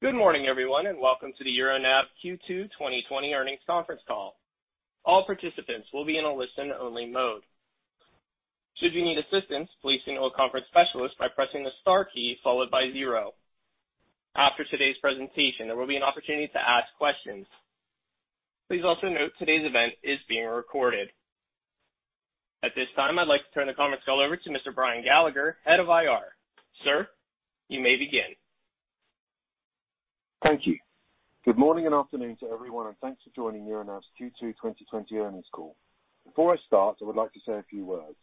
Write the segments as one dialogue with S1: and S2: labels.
S1: Good morning, everyone, and welcome to the Euronav Q2 2020 earnings conference call. At this time, I'd like to turn the conference call over to Mr. Brian Gallagher, Head of IR. Sir, you may begin.
S2: Thank you. Good morning and afternoon to everyone, and thanks for joining Euronav's Q2 2020 earnings call. Before I start, I would like to say a few words.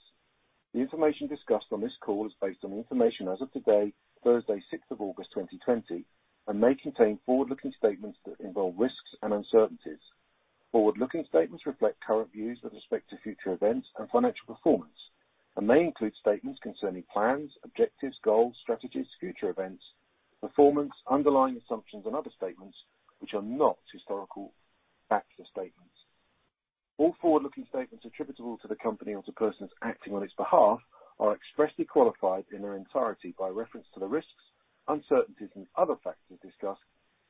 S2: The information discussed on this call is based on information as of today, Thursday, sixth of August 2020, and may contain forward-looking statements that involve risks and uncertainties. Forward-looking statements reflect current views with respect to future events and financial performance and may include statements concerning plans, objectives, goals, strategies, future events, performance, underlying assumptions, and other statements which are not historical factual statements. All forward-looking statements attributable to the company or to persons acting on its behalf are expressly qualified in their entirety by reference to the risks, uncertainties, and other factors discussed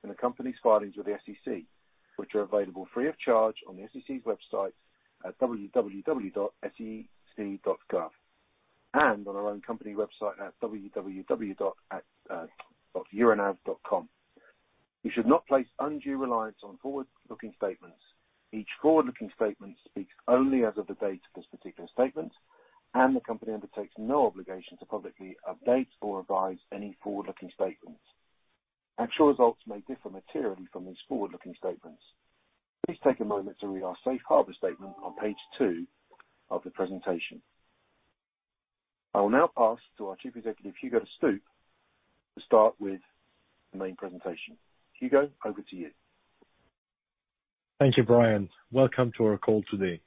S2: in the company's filings with the SEC, which are available free of charge on the SEC's website at www.sec.gov, and on our own company website at www.euronav.com. You should not place undue reliance on forward-looking statements. Each forward-looking statement speaks only as of the date of this particular statement, and the company undertakes no obligation to publicly update or revise any forward-looking statements. Actual results may differ materially from these forward-looking statements. Please take a moment to read our safe harbor statement on page two of the presentation. I will now pass to our Chief Executive, Hugo de Stoop, to start with the main presentation. Hugo, over to you.
S3: Thank you, Brian. Welcome to our call today.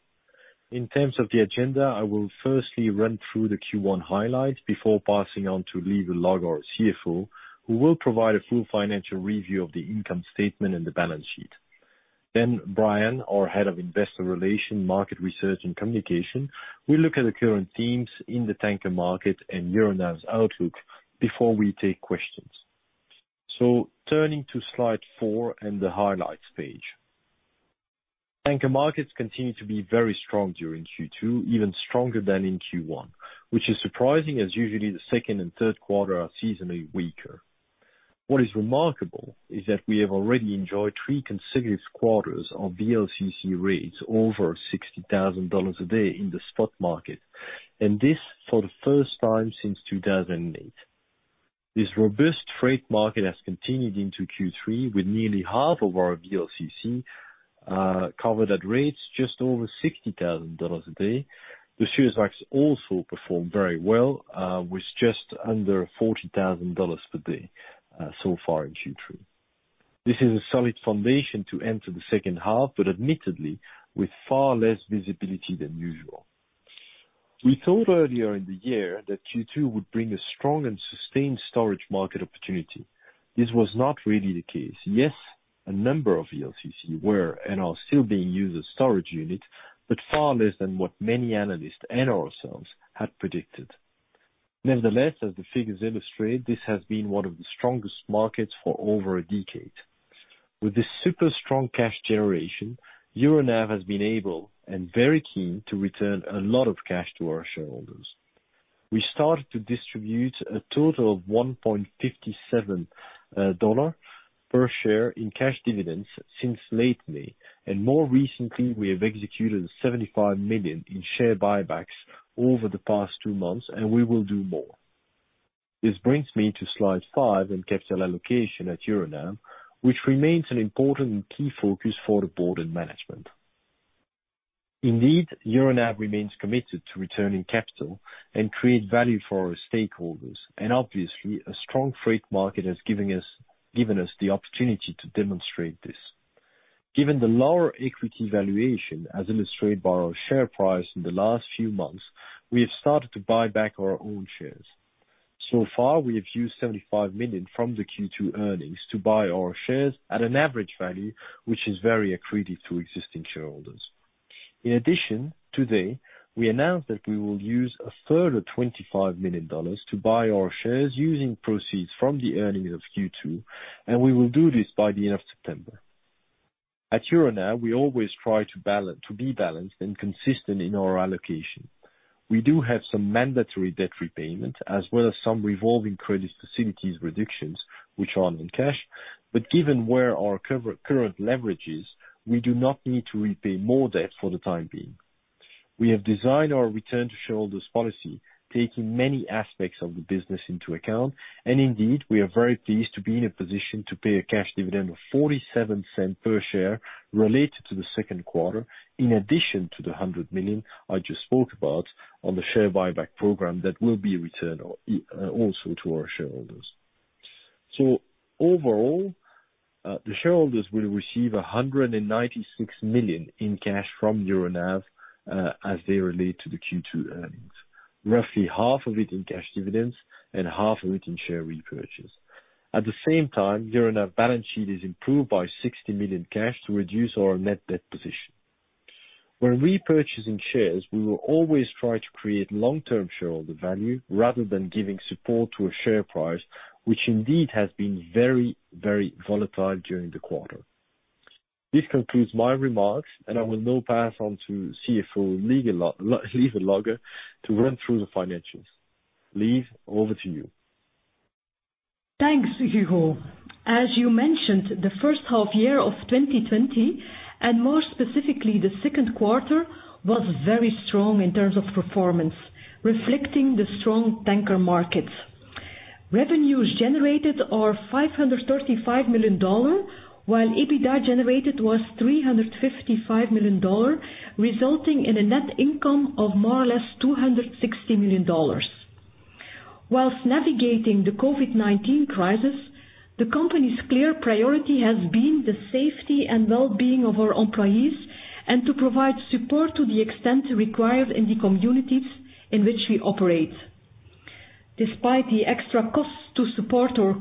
S3: In terms of the agenda, I will firstly run through the Q1 highlights before passing on to Lieve Logghe, our CFO, who will provide a full financial review of the income statement and the balance sheet. Brian, our Head of Investor Relations, Market Research, and Communication, will look at the current themes in the tanker market and Euronav's outlook before we take questions. Turning to slide four and the highlights page. Tanker markets continued to be very strong during Q2, even stronger than in Q1, which is surprising, as usually the second and third quarter are seasonally weaker. What is remarkable is that we have already enjoyed three consecutive quarters of VLCC rates over $60,000 a day in the spot market, and this for the first time since 2008. This robust freight market has continued into Q3, with nearly half of our VLCC covered at rates just over $60,000 a day. The Suezmax also performed very well, with just under $40,000 per day so far in Q3. This is a solid foundation to enter the second half, admittedly, with far less visibility than usual. We thought earlier in the year that Q2 would bring a strong and sustained storage market opportunity. This was not really the case. Yes, a number of VLCC were and are still being used as storage units, but far less than what many analysts and ourselves had predicted. Nevertheless, as the figures illustrate, this has been one of the strongest markets for over a decade. With this super strong cash generation, Euronav has been able and very keen to return a lot of cash to our shareholders. We started to distribute a total of $1.57 per share in cash dividends since late May, and more recently, we have executed $75 million in share buybacks over the past two months, and we will do more. This brings me to slide five and capital allocation at Euronav, which remains an important and key focus for the board and management. Indeed, Euronav remains committed to returning capital and create value for our stakeholders. Obviously, a strong freight market has given us the opportunity to demonstrate this. Given the lower equity valuation, as illustrated by our share price in the last few months, we have started to buy back our own shares. So far, we have used $75 million from the Q2 earnings to buy our shares at an average value, which is very accretive to existing shareholders. In addition, today, we announced that we will use a further EUR 25 million to buy our shares using proceeds from the earnings of Q2, and we will do this by the end of September. At Euronav, we always try to be balanced and consistent in our allocation. We do have some mandatory debt repayment as well as some revolving credit facilities reductions which are in cash, but given where our current leverage is, we do not need to repay more debt for the time being. We have designed our return to shareholders policy, taking many aspects of the business into account, and indeed, we are very pleased to be in a position to pay a cash dividend of 0.47 per share related to the second quarter, in addition to the 100 million I just spoke about on the share buyback program, that will be returned also to our shareholders. Overall, the shareholders will receive $196 million in cash from Euronav as they relate to the Q2 earnings. Roughly half of it in cash dividends and half of it in share repurchases. At the same time, Euronav balance sheet is improved by $60 million cash to reduce our net debt position. When repurchasing shares, we will always try to create long-term shareholder value rather than giving support to a share price, which indeed has been very, very volatile during the quarter. This concludes my remarks, and I will now pass on to CFO Lieve Logghe to run through the financials. Lieve, over to you.
S4: Thanks, Hugo. As you mentioned, the first half year of 2020, and more specifically, the second quarter, was very strong in terms of performance, reflecting the strong tanker market. Revenues generated are $535 million, while EBITDA generated was $355 million, resulting in a net income of more or less $260 million. Whilst navigating the COVID-19 crisis, the company's clear priority has been the safety and well-being of our employees and to provide support to the extent required in the communities in which we operate. Despite the extra costs to support our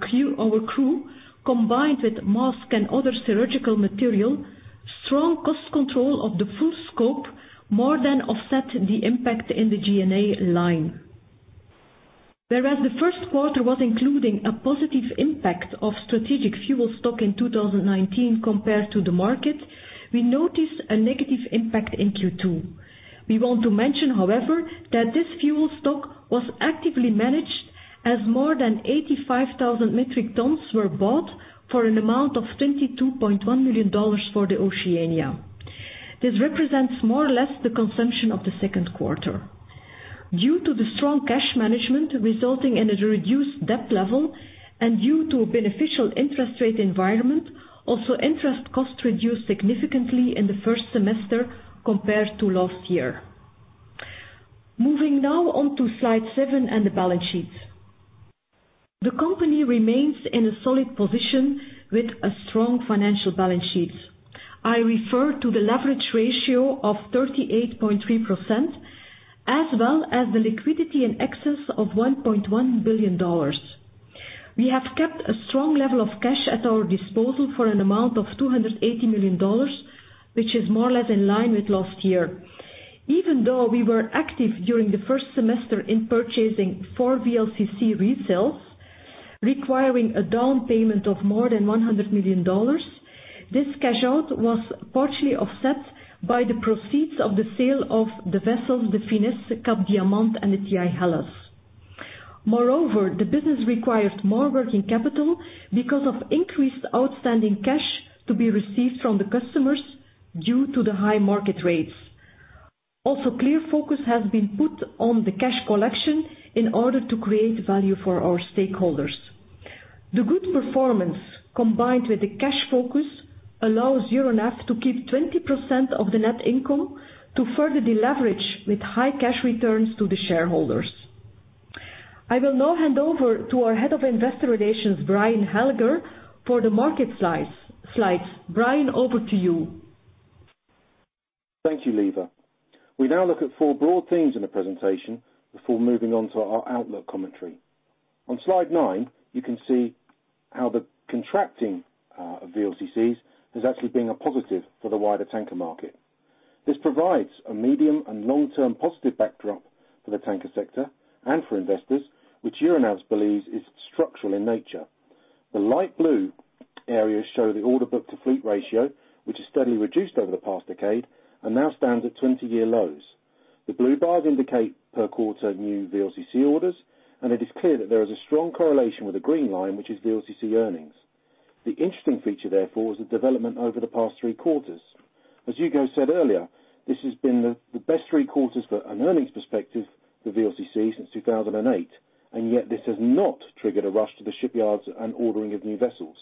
S4: crew, combined with mask and other surgical material, strong cost control of the full scope more than offset the impact in the G&A line. The first quarter was including a positive impact of strategic fuel stock in 2019 compared to the market, we noticed a negative impact in Q2. We want to mention, however, that this fuel stock was actively managed as more than 85,000 metric tons were bought for an amount of $22.1 million for the Oceania. This represents more or less the consumption of the second quarter. Due to the strong cash management resulting in a reduced debt level and due to a beneficial interest rate environment, also interest cost reduced significantly in the first semester compared to last year. Moving now on to slide seven and the balance sheet. The company remains in a solid position with a strong financial balance sheet. I refer to the leverage ratio of 38.3%, as well as the liquidity in excess of $1.1 billion. We have kept a strong level of cash at our disposal for an amount of $280 million, which is more or less in line with last year. Even though we were active during the first semester in purchasing four VLCC resales requiring a down payment of more than $100 million, this cash out was partially offset by the proceeds of the sale of the vessels, the Finesse, Cap Diamant, and the TI Hellas. Moreover, the business required more working capital because of increased outstanding cash to be received from the customers due to the high market rates. Also, clear focus has been put on the cash collection in order to create value for our stakeholders. The good performance, combined with a cash focus, allows Euronav to keep 20% of the net income to further deleverage with high cash returns to the shareholders. I will now hand over to our Head of Investor Relations, Brian Gallagher, for the market slides. Brian, over to you.
S2: Thank you, Lieve. We now look at four broad themes in the presentation before moving on to our outlook commentary. On slide nine, you can see how the contracting of VLCCs has actually been a positive for the wider tanker market. This provides a medium and long-term positive backdrop for the tanker sector and for investors, which Euronav believes is structural in nature. The light blue areas show the order book to fleet ratio, which has steadily reduced over the past decade and now stands at 20-year lows. The blue bars indicate per quarter new VLCC orders, and it is clear that there is a strong correlation with the green line, which is VLCC earnings. The interesting feature, therefore, is the development over the past three quarters.
S3: As Hugo said earlier, this has been the best three quarters for an earnings perspective for VLCC since 2008, and yet this has not triggered a rush to the shipyards and ordering of new vessels.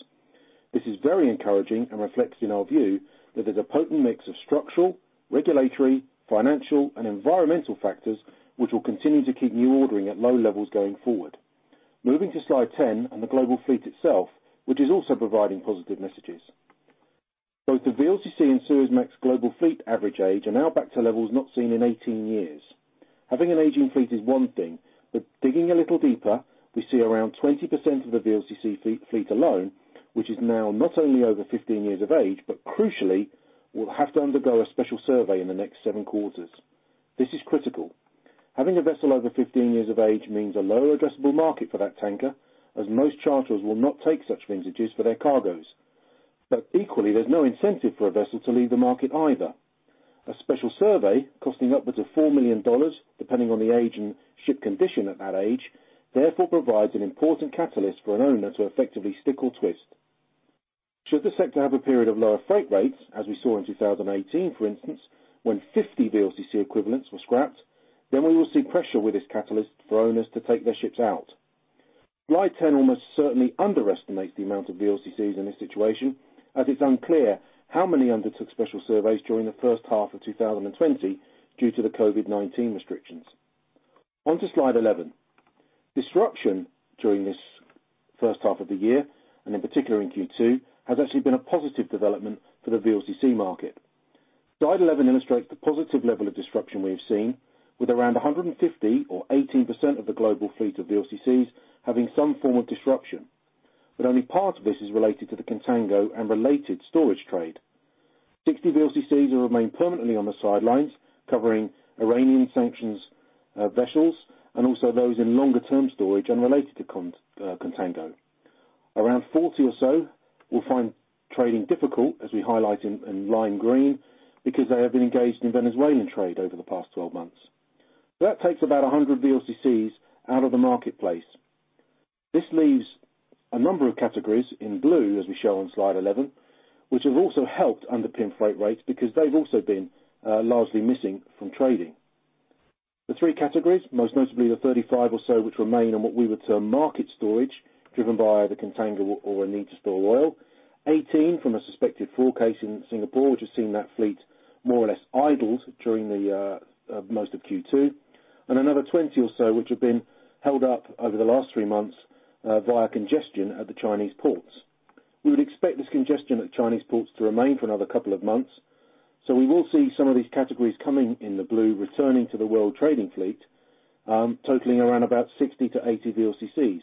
S3: This is very encouraging and reflects in our view that there's a potent mix of structural, regulatory, financial, and environmental factors which will continue to keep new ordering at low levels going forward. Moving to slide 10 and the global fleet itself, which is also providing positive messages. Both the VLCC and Suezmax global fleet average age are now back to levels not seen in 18 years. Having an aging fleet is one thing, but digging a little deeper, we see around 20% of the VLCC fleet alone, which is now not only over 15 years of age, but crucially, will have to undergo a special survey in the next seven quarters. This is critical. Having a vessel over 15 years of age means a lower addressable market for that tanker, as most charters will not take such vintages for their cargoes. Equally, there's no incentive for a vessel to leave the market either. A special survey costing upwards of $4 million, depending on the age and ship condition at that age, therefore provides an important catalyst for an owner to effectively stick or twist. Should the sector have a period of lower freight rates, as we saw in 2018, for instance, when 50 VLCC equivalents were scrapped, then we will see pressure with this catalyst for owners to take their ships out. Slide 10 almost certainly underestimates the amount of VLCCs in this situation, as it's unclear how many undertook special surveys during the first half of 2020 due to the COVID-19 restrictions. On to slide 11.
S2: Disruption during this first half of the year, and in particular in Q2, has actually been a positive development for the VLCC market. Slide 11 illustrates the positive level of disruption we have seen, with around 150 or 18% of the global fleet of VLCCs having some form of disruption, but only part of this is related to the contango and related storage trade. 60 VLCCs will remain permanently on the sidelines, covering Iranian sanctions, vessels and also those in longer term storage unrelated to contango. Around 40 or so will find trading difficult, as we highlight in lime green, because they have been engaged in Venezuelan trade over the past 12 months. That takes about 100 VLCCs out of the marketplace. This leaves a number of categories in blue as we show on slide 11, which have also helped underpin freight rates because they've also been largely missing from trading. The three categories, most notably the 35 or so, which remain on what we would term market storage, driven by either Contango or a need to store oil. 18 from a suspected fraud case in Singapore, which has seen that fleet more or less idled during most of Q2. Another 20 or so which have been held up over the last three months via congestion at the Chinese ports. We would expect this congestion at Chinese ports to remain for another couple of months, we will see some of these categories coming in the blue, returning to the world trading fleet, totaling around about 60 to 80 VLCCs.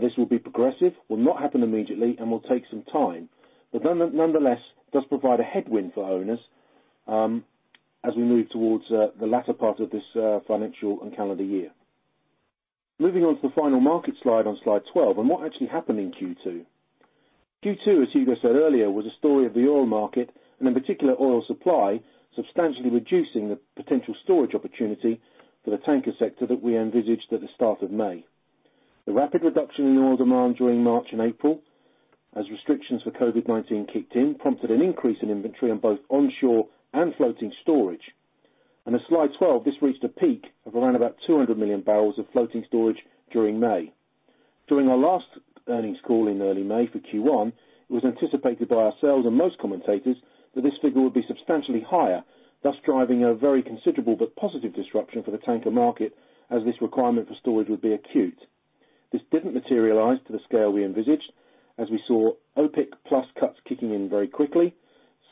S2: This will be progressive, will not happen immediately, and will take some time, but nonetheless, does provide a headwind for owners as we move towards the latter part of this financial and calendar year. Moving on to the final market slide on slide 12 and what actually happened in Q2. Q2, as Hugo said earlier, was a story of the oil market and in particular, oil supply, substantially reducing the potential storage opportunity for the tanker sector that we envisaged at the start of May. The rapid reduction in oil demand during March and April as restrictions for COVID-19 kicked in, prompted an increase in inventory on both onshore and floating storage. On slide 12, this reached a peak of around about 200 million barrels of floating storage during May. During our last earnings call in early May for Q1, it was anticipated by ourselves and most commentators that this figure would be substantially higher, thus driving a very considerable but positive disruption for the tanker market as this requirement for storage would be acute. This didn't materialize to the scale we envisaged as we saw OPEC+ cuts kicking in very quickly.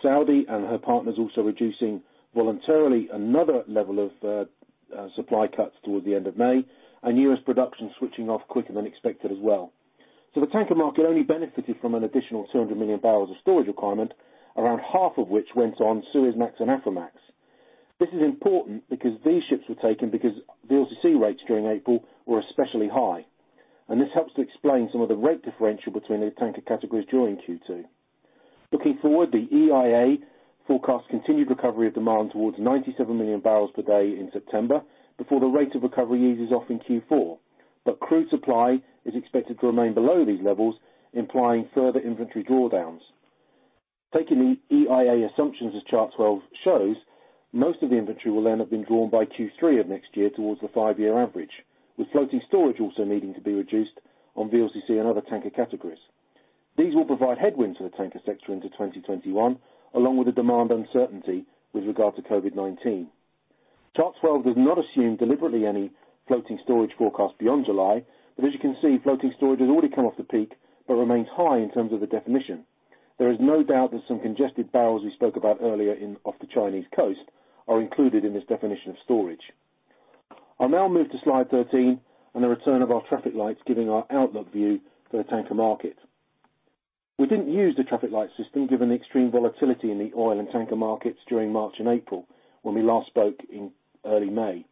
S2: Saudi and her partners also reducing voluntarily another level of supply cuts toward the end of May, and U.S. production switching off quicker than expected as well. The tanker market only benefited from an additional 200 million barrels of storage requirement, around half of which went on Suezmax and Aframax. This is important because these ships were taken because VLCC rates during April were especially high, and this helps to explain some of the rate differential between the tanker categories during Q2. Looking forward, the EIA forecasts continued recovery of demand towards 97 million barrels per day in September, before the rate of recovery eases off in Q4. Crude supply is expected to remain below these levels, implying further inventory drawdowns. Taking the EIA assumptions, as chart 12 shows, most of the inventory will then have been drawn by Q3 of next year towards the five-year average, with floating storage also needing to be reduced on VLCC and other tanker categories. These will provide headwinds for the tanker sector into 2021, along with the demand uncertainty with regard to COVID-19. Chart 12 does not assume deliberately any floating storage forecast beyond July, but as you can see, floating storage has already come off the peak but remains high in terms of the definition. There is no doubt that some congested barrels we spoke about earlier off the Chinese coast are included in this definition of storage. I'll now move to slide 13 on the return of our traffic lights, giving our outlook view for the tanker market. We didn't use the traffic light system given the extreme volatility in the oil and tanker markets during March and April when we last spoke in early May.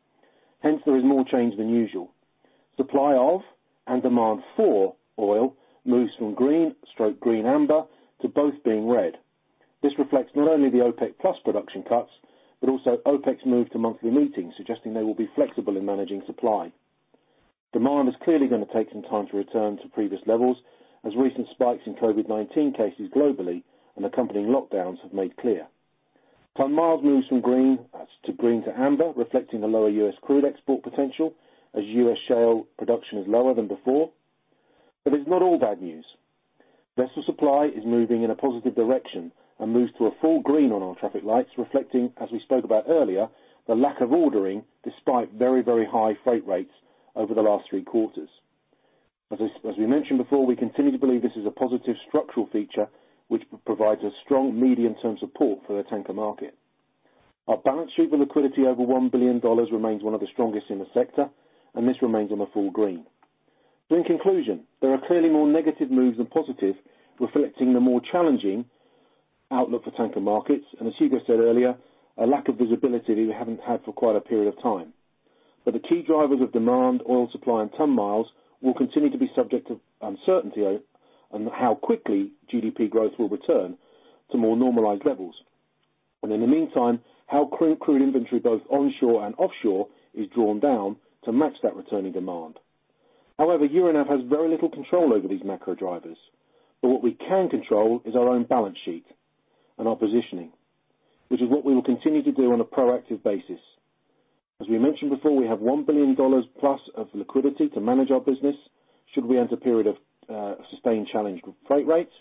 S2: There is more change than usual. Supply of and demand for oil moves from green/green amber to both being red. This reflects not only the OPEC+ production cuts, but also OPEC's move to monthly meetings, suggesting they will be flexible in managing supply. Demand is clearly going to take some time to return to previous levels as recent spikes in COVID-19 cases globally and accompanying lockdowns have made clear. Ton-miles moves from green to amber, reflecting the lower U.S. crude export potential as U.S. shale production is lower than before. It's not all bad news. Vessel supply is moving in a positive direction and moves to a full green on our traffic lights, reflecting, as we spoke about earlier, the lack of ordering despite very, very high freight rates over the last three quarters. As we mentioned before, we continue to believe this is a positive structural feature which provides a strong medium-term support for the tanker market. Our balance sheet with liquidity over $1 billion remains one of the strongest in the sector and this remains on a full green. In conclusion, there are clearly more negative moves than positive, reflecting the more challenging outlook for tanker markets and as Hugo said earlier, a lack of visibility that we haven't had for quite a period of time. The key drivers of demand, oil supply and ton-miles will continue to be subject to uncertainty on how quickly GDP growth will return to more normalized levels. In the meantime, how crude inventory, both onshore and offshore, is drawn down to match that returning demand. However, Euronav has very little control over these macro drivers. What we can control is our own balance sheet and our positioning, which is what we will continue to do on a proactive basis. As we mentioned before, we have $1 billion plus of liquidity to manage our business should we enter a period of sustained challenged freight rates.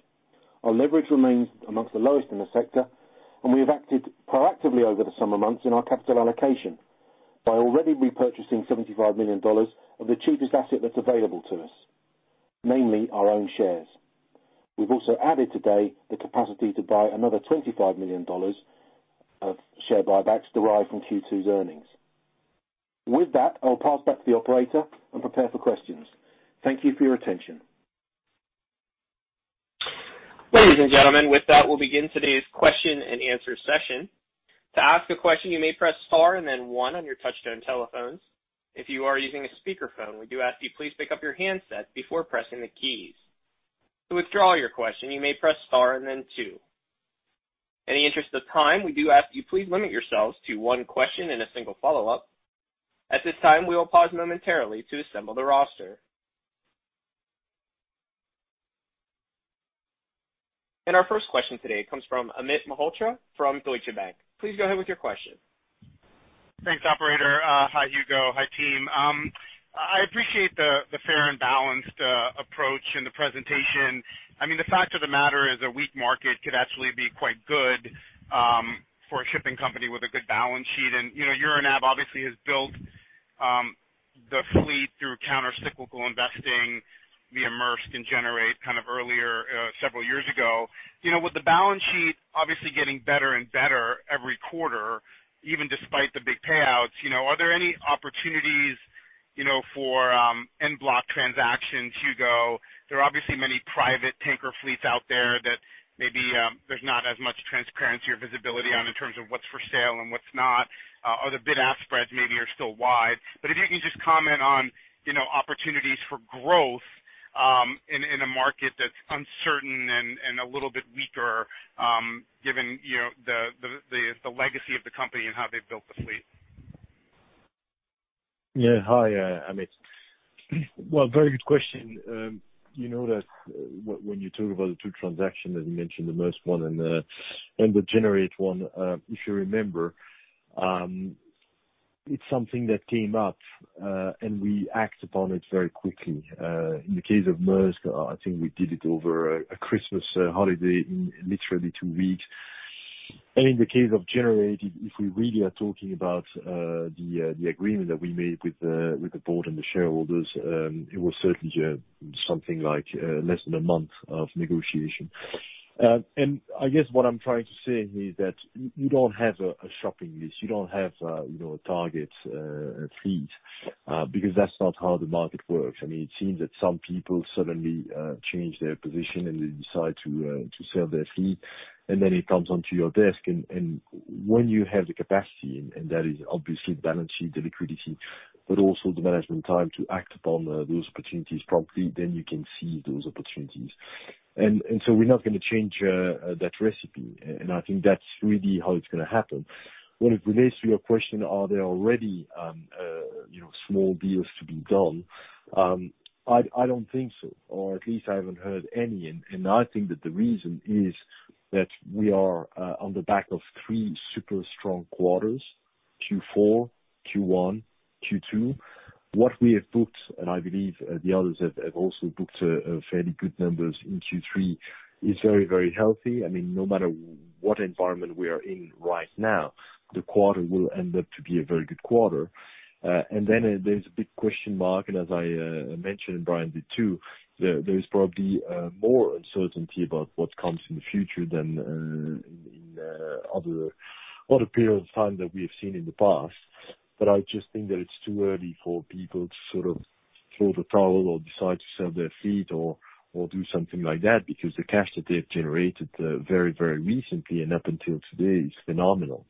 S3: Our leverage remains amongst the lowest in the sector, and we have acted proactively over the summer months in our capital allocation by already repurchasing $75 million of the cheapest asset that's available to us, mainly our own shares. We've also added today the capacity to buy another $25 million of share buybacks derived from Q2's earnings. With that, I'll pass back to the operator and prepare for questions. Thank you for your attention.
S1: Ladies and gentlemen, with that, we'll begin today's question and answer session. In the interest of time, we do ask you please limit yourselves to one question and a single follow-up. At this time, we will pause momentarily to assemble the roster. Our first question today comes from Amit Mehrotra from Deutsche Bank. Please go ahead with your question.
S5: Thanks, operator. Hi, Hugo. Hi, team. I appreciate the fair and balanced approach in the presentation. The fact of the matter is a weak market could actually be quite good for a shipping company with a good balance sheet. Euronav obviously has built the fleet through countercyclical investing via Maersk and Gener8 earlier, several years ago. With the balance sheet obviously getting better and better every quarter, even despite the big payouts, are there any opportunities for en bloc transactions, Hugo? There are obviously many private tanker fleets out there that maybe there's not as much transparency or visibility on in terms of what's for sale and what's not. Other bid-ask spreads maybe are still wide. If you can just comment on opportunities for growth in a market that's uncertain and a little bit weaker, given the legacy of the company and how they've built the fleet.
S3: Yeah. Hi, Amit. Well, very good question. You know that when you talk about the two transactions, as you mentioned, the Maersk one and the Gener8 one, if you remember, it's something that came up, and we act upon it very quickly. In the case of Maersk, I think we did it over a Christmas holiday in literally two weeks. In the case of Gener8, if we really are talking about the agreement that we made with the board and the shareholders, it was certainly something like less than a month of negotiation. I guess what I'm trying to say is that you don't have a shopping list. You don't have a target fleet, because that's not how the market works. It seems that some people suddenly change their position, and they decide to sell their fleet, and then it comes onto your desk, and when you have the capacity, and that is obviously balance sheet, the liquidity, but also the management time to act upon those opportunities promptly, then you can see those opportunities. We're not going to change that recipe. I think that's really how it's going to happen. When it relates to your question, are there already small deals to be done? I don't think so, or at least I haven't heard any. I think that the reason is that we are on the back of three super strong quarters, Q4, Q1, Q2. What we have booked, and I believe the others have also booked fairly good numbers in Q3, is very healthy. No matter what environment we are in right now, the quarter will end up to be a very good quarter. Then there's a big question mark, and as I mentioned, Brian did too, there is probably more uncertainty about what comes in the future than in other periods of time that we have seen in the past. I just think that it's too early for people to sort of throw the towel or decide to sell their fleet or do something like that because the cash that they have generated very recently and up until today is phenomenal.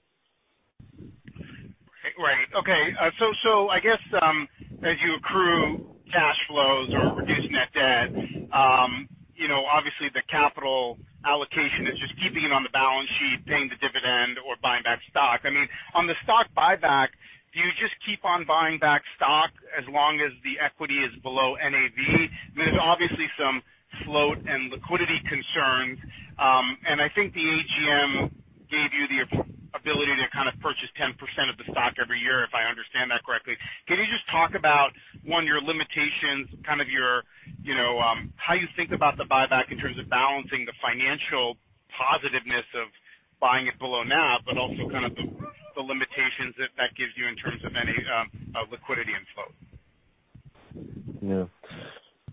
S5: I guess, as you accrue cash flows or reduce net debt, obviously the capital allocation is just keeping it on the balance sheet, paying the dividend or buying back stock. On the stock buyback, do you just keep on buying back stock as long as the equity is below NAV? There's obviously some float and liquidity concerns. I think the AGM gave you the ability to purchase 10% of the stock every year, if I understand that correctly. Can you just talk about, one, your limitations, how you think about the buyback in terms of balancing the financial positiveness of buying it below NAV, but also the limitations that gives you in terms of any liquidity and float?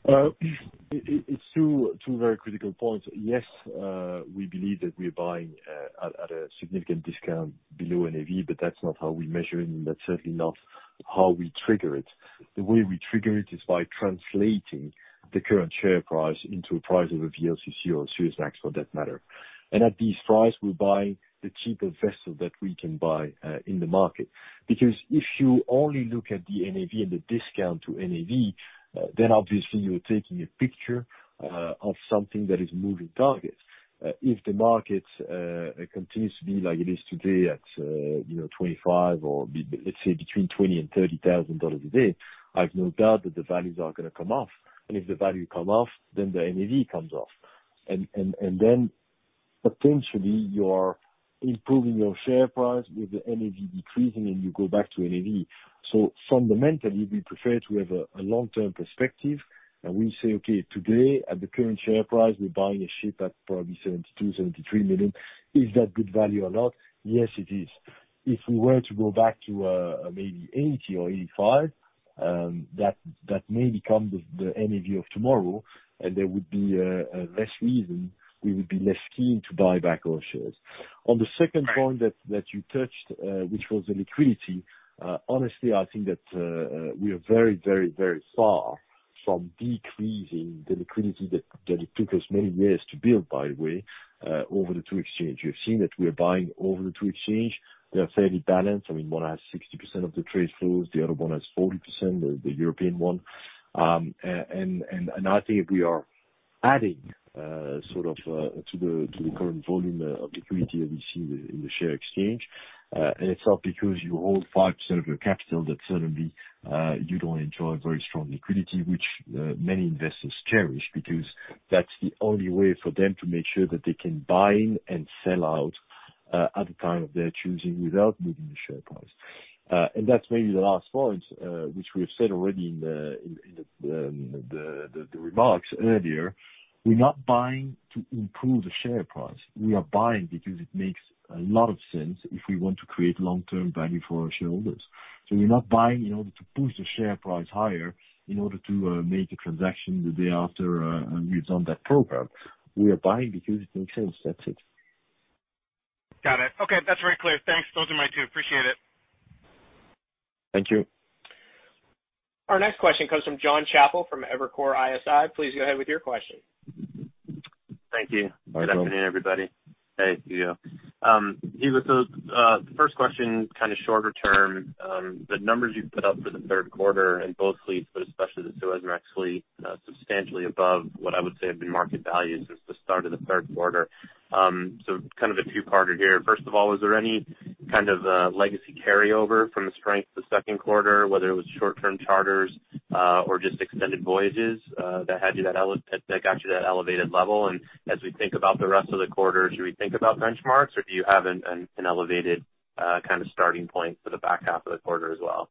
S3: Yeah. It's two very critical points. Yes, we believe that we are buying at a significant discount below NAV, but that's not how we measure it, and that's certainly not how we trigger it. The way we trigger it is by translating the current share price into a price of a VLCC or a Suezmax for that matter. At this price, we buy the cheapest vessel that we can buy in the market. Because if you only look at the NAV and the discount to NAV, then obviously you're taking a picture of something that is a moving target. If the market continues to be like it is today at $25,000, or let's say between $20,000 and $30,000 a day, I have no doubt that the values are going to come off. If the value come off, then the NAV comes off. Potentially, you are improving your share price with the NAV decreasing, and you go back to NAV. Fundamentally, we prefer to have a long-term perspective, and we say, okay, today at the current share price, we're buying a ship at probably $72, $73 million. Is that good value or not? Yes, it is. If we were to go back to maybe 80 or 85, that may become the NAV of tomorrow, and there would be less reason, we would be less keen to buy back our shares. On the second point that you touched, which was the liquidity, honestly, I think that we are very far from decreasing the liquidity that it took us many years to build, by the way, over the two exchanges. You have seen that we are buying over the two exchanges. They are fairly balanced. One has 60% of the trade flows, the other one has 40%, the European one. I think we are adding to the current volume of liquidity that we see in the share exchange. It's not because you hold five percent of your capital that suddenly you don't enjoy very strong liquidity, which many investors cherish, because that's the only way for them to make sure that they can buy and sell out at the time of their choosing without moving the share price. That's maybe the last point, which we have said already in the remarks earlier. We're not buying to improve the share price. We are buying because it makes a lot of sense if we want to create long-term value for our shareholders. We are not buying in order to boost the share price higher in order to make a transaction the day after we've done that program. We are buying because it makes sense. That's it.
S5: Got it. Okay, that's very clear. Thanks. Those are my two. Appreciate it.
S3: Thank you.
S1: Our next question comes from Jonathan Chappell from Evercore ISI. Please go ahead with your question.
S6: Thank you.
S3: Hi, John.
S6: Good afternoon, everybody. Hey, Hugo. Hugo, the first question, kind of shorter term. The numbers you've put up for the third quarter in both fleets, but especially the Supramax fleet, substantially above what I would say have been market value since the start of the third quarter. Kind of a two-parter here. First of all, is there any kind of legacy carryover from the strength of the second quarter, whether it was short-term charters or just extended voyages that got you that elevated level? And as we think about the rest of the quarter, should we think about benchmarks, or do you have an elevated starting point for the back half of the quarter as well?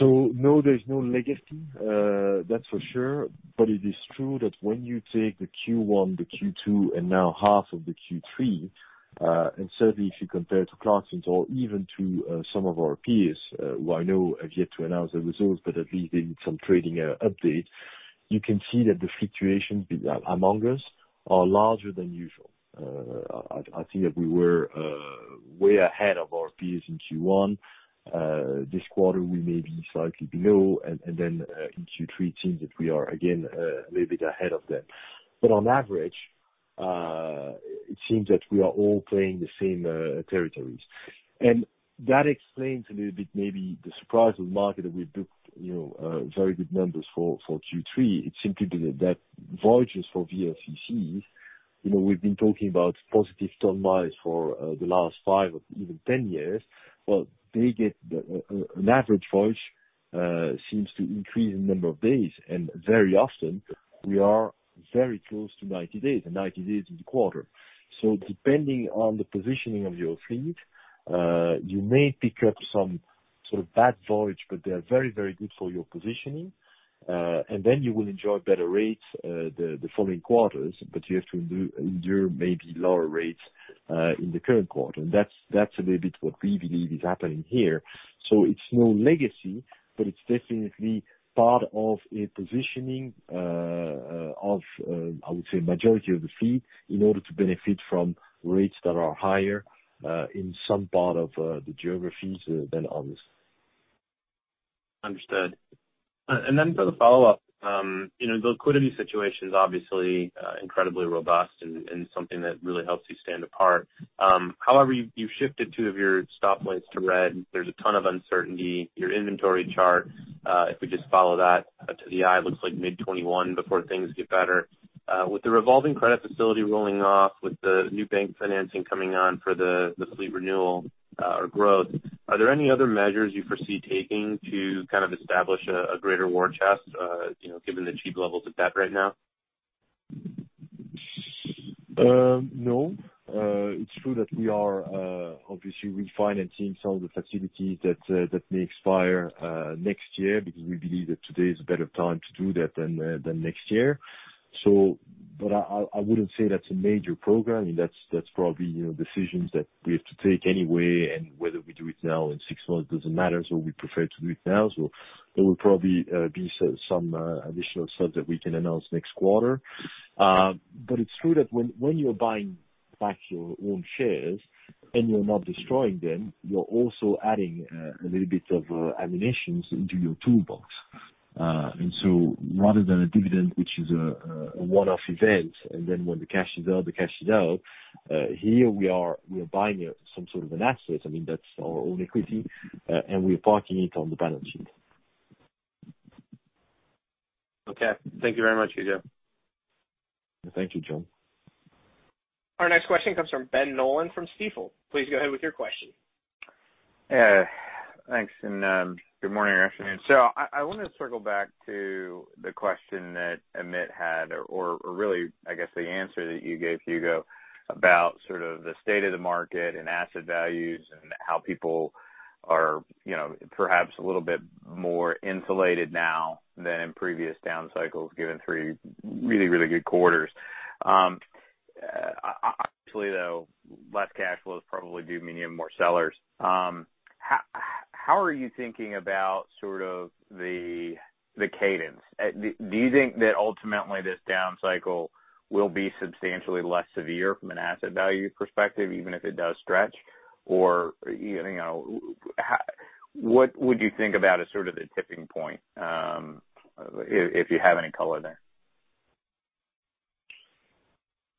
S3: No, there's no legacy, that's for sure. It is true that when you take the Q1, the Q2, and now half of the Q3, and certainly if you compare to Clarksons or even to some of our peers who I know have yet to announce their results but at least in some trading update, you can see that the fluctuations among us are larger than usual. I think that we were way ahead of our peers in Q1. This quarter, we may be slightly below, and then in Q3, it seems that we are again a little bit ahead of them. On average, it seems that we are all playing the same territories. That explains a little bit maybe the surprise of the market that we booked very good numbers for Q3. It's simply that voyages for VLCCs, we've been talking about positive ton-miles for the last five or even 10 years. Well, they get an average voyage seems to increase in number of days. Very often we are very close to 90 days, 90 days in the quarter. Depending on the positioning of your fleet, you may pick up some sort of bad voyage, they are very good for your positioning. You will enjoy better rates the following quarters, you have to endure maybe lower rates in the current quarter. That's a little bit what we believe is happening here. It's no legacy, it's definitely part of a positioning of, I would say, majority of the fleet in order to benefit from rates that are higher in some part of the geographies than others.
S6: Understood. Then for the follow-up. The liquidity situation is obviously incredibly robust and something that really helps you stand apart. However, you've shifted two of your stop points to red. There's a ton of uncertainty. Your inventory chart, if we just follow that to the eye, looks like mid 2021 before things get better. With the revolving credit facility rolling off, with the new bank financing coming on for the fleet renewal or growth, are there any other measures you foresee taking to establish a greater war chest, given the cheap levels of debt right now?
S3: No. It's true that we are obviously refinancing some of the facilities that may expire next year because we believe that today is a better time to do that than next year. I wouldn't say that's a major program. That's probably decisions that we have to take anyway, and whether we do it now or in six months, it doesn't matter. We prefer to do it now. There will probably be some additional stuff that we can announce next quarter. It's true that when you are buying back your own shares and you're not destroying them, you're also adding a little bit of ammunitions into your toolbox. Rather than a dividend, which is a one-off event, and then when the cash is out, the cash is out. Here, we are buying some sort of an asset. That's our own equity, and we're parking it on the balance sheet.
S6: Okay. Thank you very much, Hugo.
S3: Thank you, John.
S1: Our next question comes from Ben Nolan from Stifel. Please go ahead with your question.
S7: Yeah. Thanks, good morning or afternoon. I want to circle back to the question that Amit had, or really, I guess, the answer that you gave, Hugo, about sort of the state of the market and asset values and how people are perhaps a little bit more insulated now than in previous down cycles, given three really good quarters. Obviously, though, less cash flows probably do mean you have more sellers. How are you thinking about the cadence? Do you think that ultimately this down cycle will be substantially less severe from an asset value perspective, even if it does stretch? What would you think about as sort of the tipping point, if you have any color there?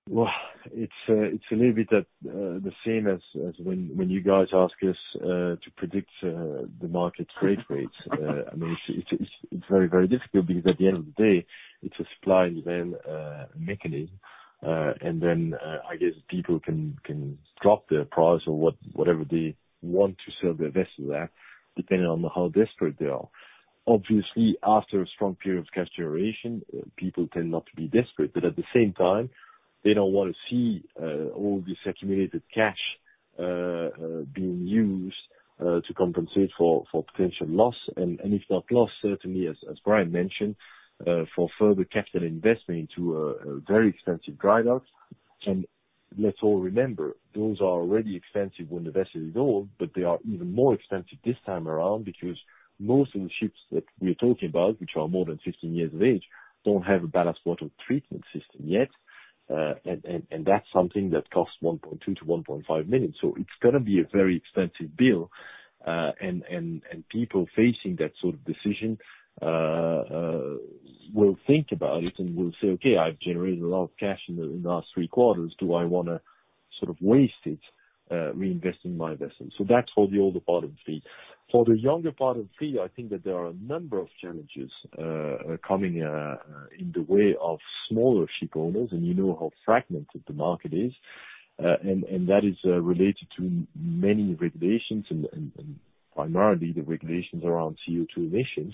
S3: Well, it's a little bit the same as when you guys ask us to predict the market freight rates. It's very difficult because at the end of the day, it's a supply and demand mechanism. I guess people can drop their price or whatever they want to sell their vessel at, depending on how desperate they are. Obviously, after a strong period of cash generation, people tend not to be desperate. At the same time, they don't want to see all this accumulated cash being used to compensate for potential loss, if that loss, certainly, as Brian mentioned, for further capital investment into a very expensive dry dock. Let's all remember, those are already expensive when the vessel is old, but they are even more expensive this time around because most of the ships that we are talking about, which are more than 15 years of age, don't have a ballast water treatment system yet. That's something that costs $1.2 million to $1.5 million. It's going to be a very expensive bill. People facing that sort of decision will think about it and will say, "Okay, I've generated a lot of cash in the last three quarters. Do I want to sort of waste it reinvesting in my vessel?" That's for the older part of the fleet. For the younger part of the fleet, I think that there are a number of challenges coming in the way of smaller shipowners, and you know how fragmented the market is. That is related to many regulations and primarily the regulations around CO2 emissions.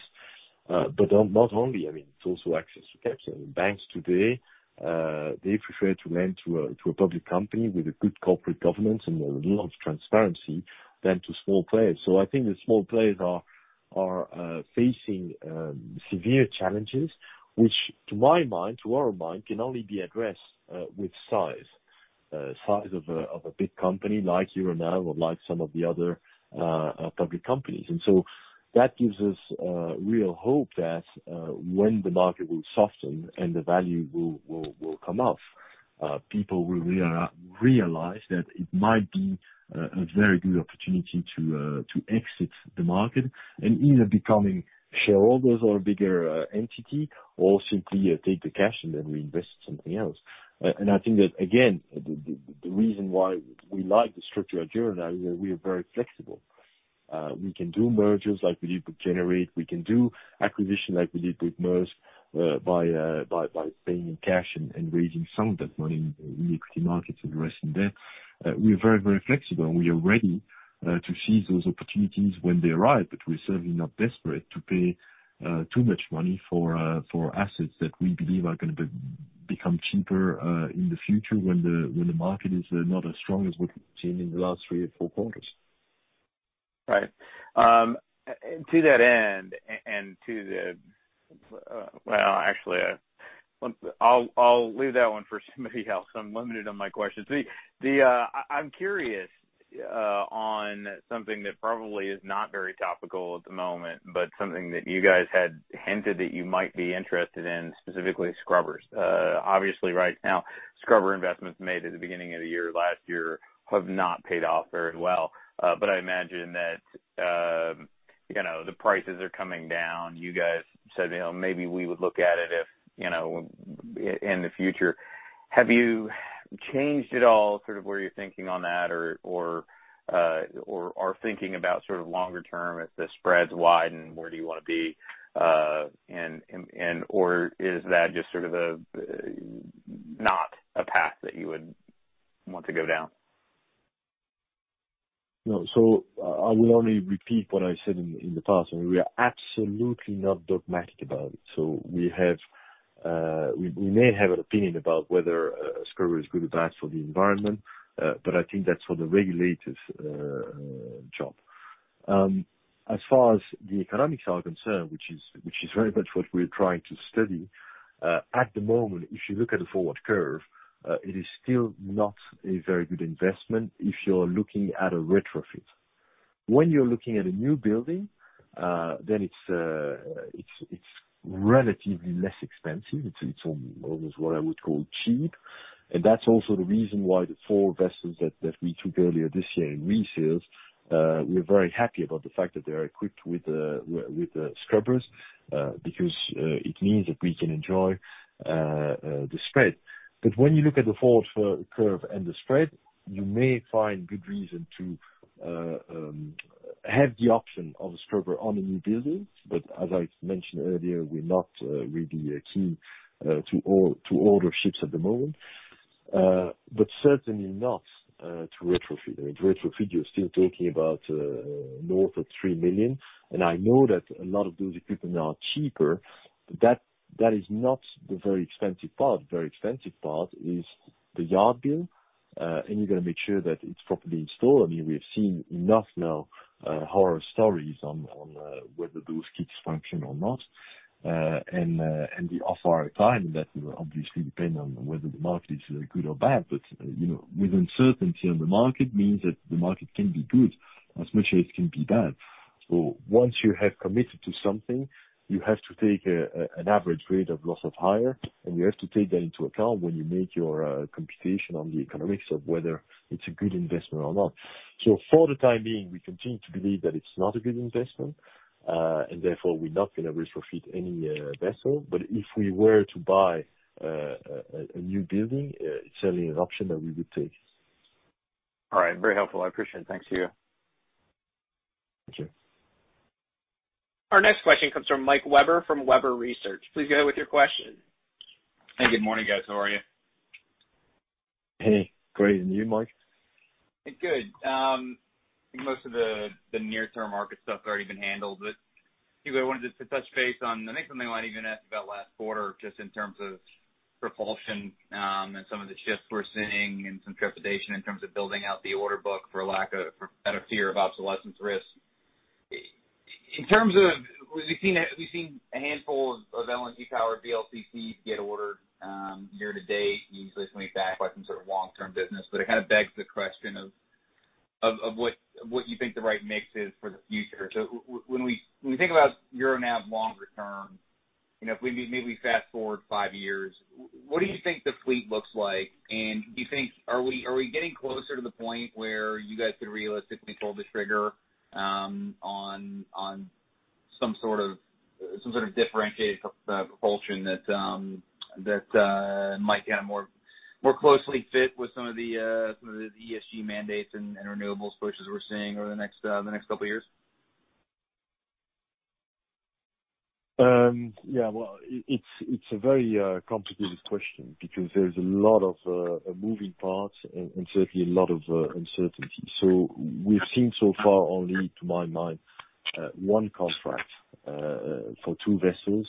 S3: Not only, it's also access to capital. Banks today, they prefer to lend to a public company with a good corporate governance and a lot of transparency than to small players. I think the small players are facing severe challenges, which to my mind, to our mind, can only be addressed with size. Size of a big company like you or like some of the other public companies. That gives us real hope that when the market will soften and the value will come up, people will realize that it might be a very good opportunity to exit the market and either becoming shareholders or a bigger entity or simply take the cash and then reinvest something else. I think that, again, the reason why we like the structure at Euronav is that we are very flexible. We can do mergers like we did with Gener8. We can do acquisition like we did with Maersk, by paying in cash and raising some of that money in the equity markets and the rest in debt. We are very flexible, and we are ready to seize those opportunities when they arrive, but we're certainly not desperate to pay too much money for assets that we believe are going to become cheaper in the future when the market is not as strong as what we've seen in the last three or four quarters.
S7: Right. To that end, Well, actually, I'll leave that one for somebody else. I'm limited on my questions. I'm curious on something that probably is not very topical at the moment, but something that you guys had hinted that you might be interested in, specifically scrubbers. Obviously, right now, scrubber investments made at the beginning of the year, last year, have not paid off very well. I imagine that the prices are coming down. You guys said, "Maybe we would look at it in the future." Have you changed at all sort of where you're thinking on that or are thinking about sort of longer term if the spreads widen, where do you want to be, or is that just sort of not a path that you would want to go down?
S3: No. I will only repeat what I said in the past. We are absolutely not dogmatic about it. We may have an opinion about whether a scrubber is good or bad for the environment, but I think that's for the regulators' job. As far as the economics are concerned, which is very much what we are trying to study. At the moment, if you look at the forward curve, it is still not a very good investment if you're looking at a retrofit. When you're looking at a new building, then it's relatively less expensive. It's almost what I would call cheap. That's also the reason why the four vessels that we took earlier this year in resales, we are very happy about the fact that they are equipped with scrubbers, because it means that we can enjoy the spread. When you look at the forward curve and the spread, you may find good reason to have the option of a scrubber on a new building, but as I mentioned earlier, we're not really key to order ships at the moment. Certainly not to retrofit. With retrofit, you're still talking about north of $3 million, and I know that a lot of those equipment are cheaper, but that is not the very expensive part. The very expensive part is the yard bill, and you got to make sure that it's properly installed. We have seen enough now, horror stories on whether those kits function or not. The off-hire time, that will obviously depend on whether the market is good or bad. With uncertainty on the market means that the market can be good as much as it can be bad. Once you have committed to something, you have to take an average rate of loss of hire, and you have to take that into account when you make your computation on the economics of whether it's a good investment or not. For the time being, we continue to believe that it's not a good investment, and therefore we're not going to retrofit any vessel. If we were to buy a new building, it's certainly an option that we would take.
S7: All right. Very helpful. I appreciate it. Thanks, Hugo.
S3: Thank you.
S1: Our next question comes from Michael Webber from Webber Research. Please go ahead with your question.
S8: Hey, good morning, guys. How are you?
S3: Hey, great. You, Mike?
S8: Good. I think most of the near-term market stuff has already been handled, but Hugo, I wanted just to touch base on, I think something I might even ask about last quarter, just in terms of propulsion, and some of the shifts we're seeing and some trepidation in terms of building out the order book out of fear of obsolescence risk. We've seen a handful of LNG powered VLCCs get ordered year to date, usually swing-back like some sort of long-term business, but it begs the question of what you think the right mix is for the future. When we think about Euronav longer term, if maybe we fast-forward five years, what do you think the fleet looks like? Do you think, are we getting closer to the point where you guys could realistically pull the trigger on some sort of differentiated propulsion that might more closely fit with some of the ESG mandates and renewables pushes we're seeing over the next couple of years?
S3: Well, it's a very complicated question because there's a lot of moving parts and certainly a lot of uncertainty. We've seen so far only, to my mind, one contract for two vessels,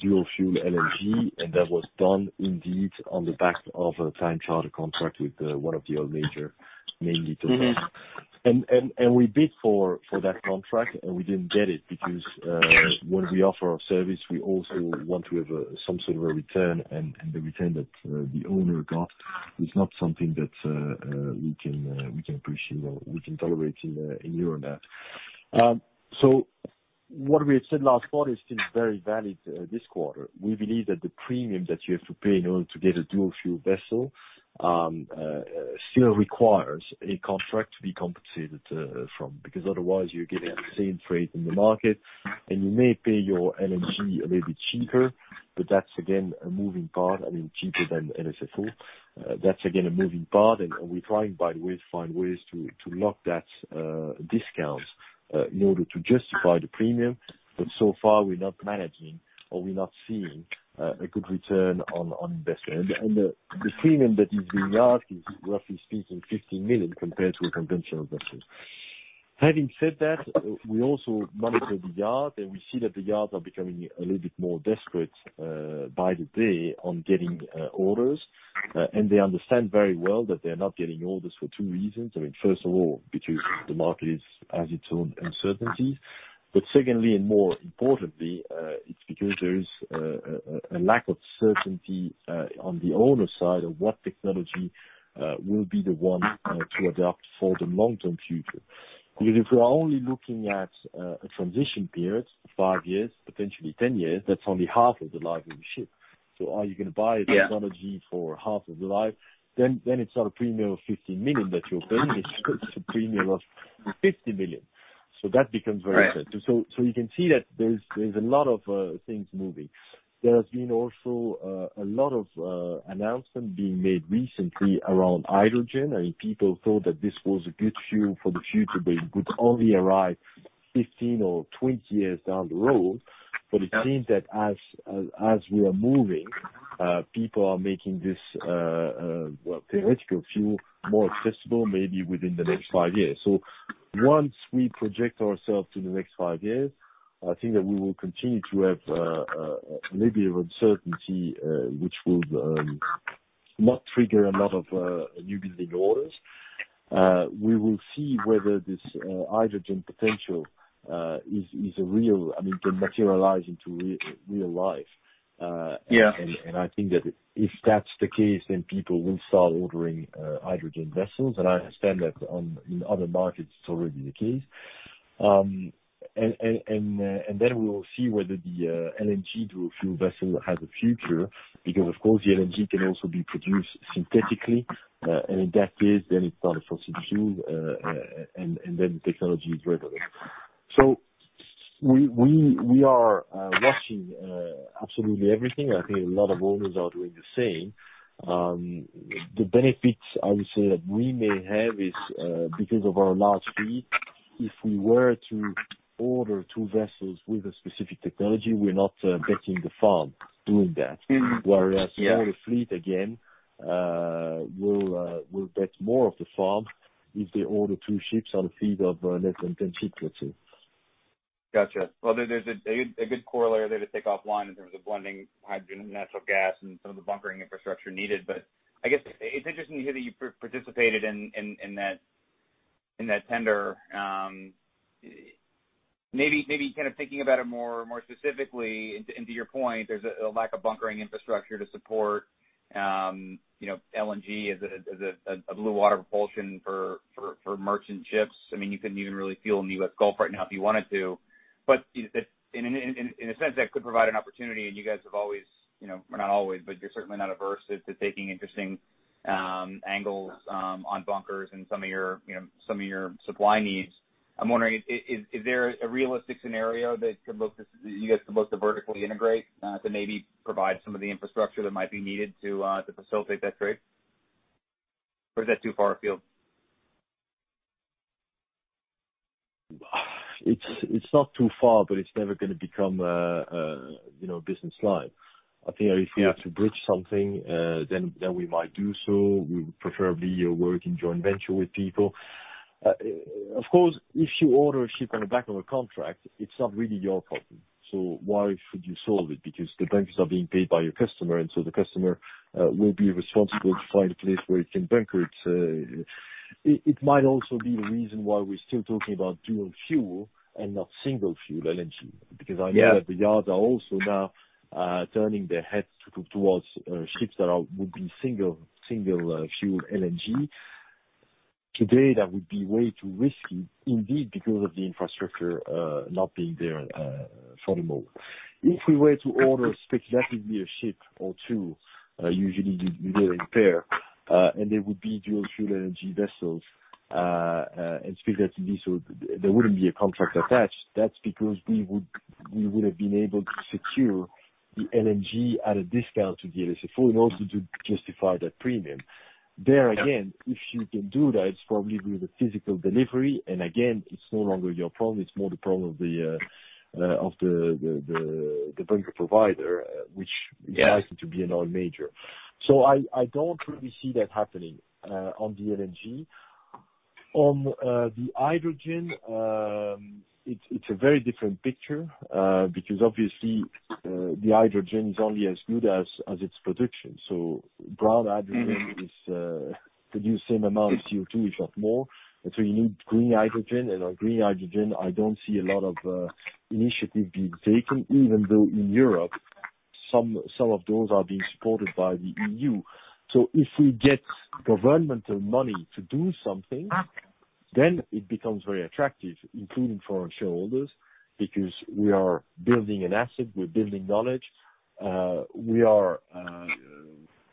S3: dual fuel LNG, and that was done indeed on the back of a time charter contract with one of the oil major, mainly Total. We bid for that contract, and we didn't get it because when we offer our service, we also want to have some sort of a return. The return that the owner got is not something that we can appreciate or we can tolerate in Euronav. What we had said last quarter is still very valid this quarter. We believe that the premium that you have to pay in order to get a dual fuel vessel still requires a contract to be compensated from, because otherwise you're getting the same trade in the market, and you may pay your LNG a little bit cheaper, but that's again, a moving part, cheaper than HSFO. That's again, a moving part, we're trying, by the way, to find ways to lock that discount in order to justify the premium. So far, we're not managing or we're not seeing a good return on investment. The premium that is being asked is roughly speaking $15 million compared to a conventional vessel. Having said that, we also monitor the yard, we see that the yards are becoming a little bit more desperate by the day on getting orders. They understand very well that they are not getting orders for two reasons. First of all, because the market has its own uncertainties. Secondly, and more importantly, it's because there is a lack of certainty on the owner's side of what technology will be the one to adopt for the long-term future. If we are only looking at a transition period, five years, potentially 10 years, that's only half of the life of a ship. Are you going to buy? a technology for half of the life? It's not a premium of $15 million that you're paying. It's a premium of $50 million. That becomes very certain. You can see that there's a lot of things moving. There has been also a lot of announcements being made recently around hydrogen, and people thought that this was a good fuel for the future, but it would only arrive 15 or 20 years down the road. It seems that as we are moving, people are making this theoretical fuel more accessible maybe within the next five years. Once we project ourselves to the next five years, I think that we will continue to have maybe an uncertainty which will not trigger a lot of new building orders. We will see whether this hydrogen potential can materialize into real life. I think that if that's the case, then people will start ordering hydrogen vessels, and I understand that in other markets, it's already the case. Then we will see whether the LNG dual fuel vessel has a future, because of course, the LNG can also be produced synthetically, and if that is, then it's not a fossil fuel, and then the technology is relevant. We are watching absolutely everything. I think a lot of owners are doing the same. The benefits, I would say, that we may have is because of our large fleet, if we were to order two vessels with a specific technology, we're not betting the farm doing that. Whereas a smaller fleet, again, will bet more of the farm if they order two ships on a fleet of less than 10 ships, let's say.
S8: Got you. Well, there's a good corollary there to take offline in terms of blending hydrogen and natural gas and some of the bunkering infrastructure needed. I guess it's interesting to hear that you participated in that tender. Maybe thinking about it more specifically, and to your point, there's a lack of bunkering infrastructure to support LNG as a blue water propulsion for merchant ships. You couldn't even really fuel in the U.S. Gulf right now if you wanted to. In a sense, that could provide an opportunity, and you guys have always, well, not always, but you're certainly not averse to taking interesting angles on bunkers and some of your supply needs. I'm wondering, is there a realistic scenario that you guys could look to vertically integrate to maybe provide some of the infrastructure that might be needed to facilitate that trade? Is that too far afield?
S3: It's not too far, but it's never going to become a business line. I think if we have to bridge something, then we might do so. We would preferably work in joint venture with people. Of course, if you order a ship on the back of a contract, it's not really your problem. Why should you solve it? The bankers are being paid by your customer, and so the customer will be responsible to find a place where it can bunker it. It might also be the reason why we're still talking about dual fuel and not single fuel LNG, because I know that the yards are also now turning their heads towards ships that would be single fuel LNG. Today, that would be way too risky, indeed, because of the infrastructure not being there for the moment. If we were to order specifically a ship or two, usually we do it in pair, and they would be dual fuel LNG vessels, and specifically so there wouldn't be a contract attached, that's because we would have been able to secure the LNG at a discount to the HSFO in order to justify that premium. There again, if you can do that, it's probably with a physical delivery, and again, it's no longer your problem. It's more the problem of the bunker provider, which is likely to be an oil major. I don't really see that happening on the LNG. On the hydrogen, it's a very different picture, because obviously, the hydrogen is only as good as its production. Brown hydrogen is producing the same amount of CO2, if not more. You need green hydrogen, and on green hydrogen, I don't see a lot of initiative being taken, even though in Europe some of those are being supported by the EU. If we get governmental money to do something, then it becomes very attractive, including for our shareholders, because we are building an asset, we're building knowledge. We are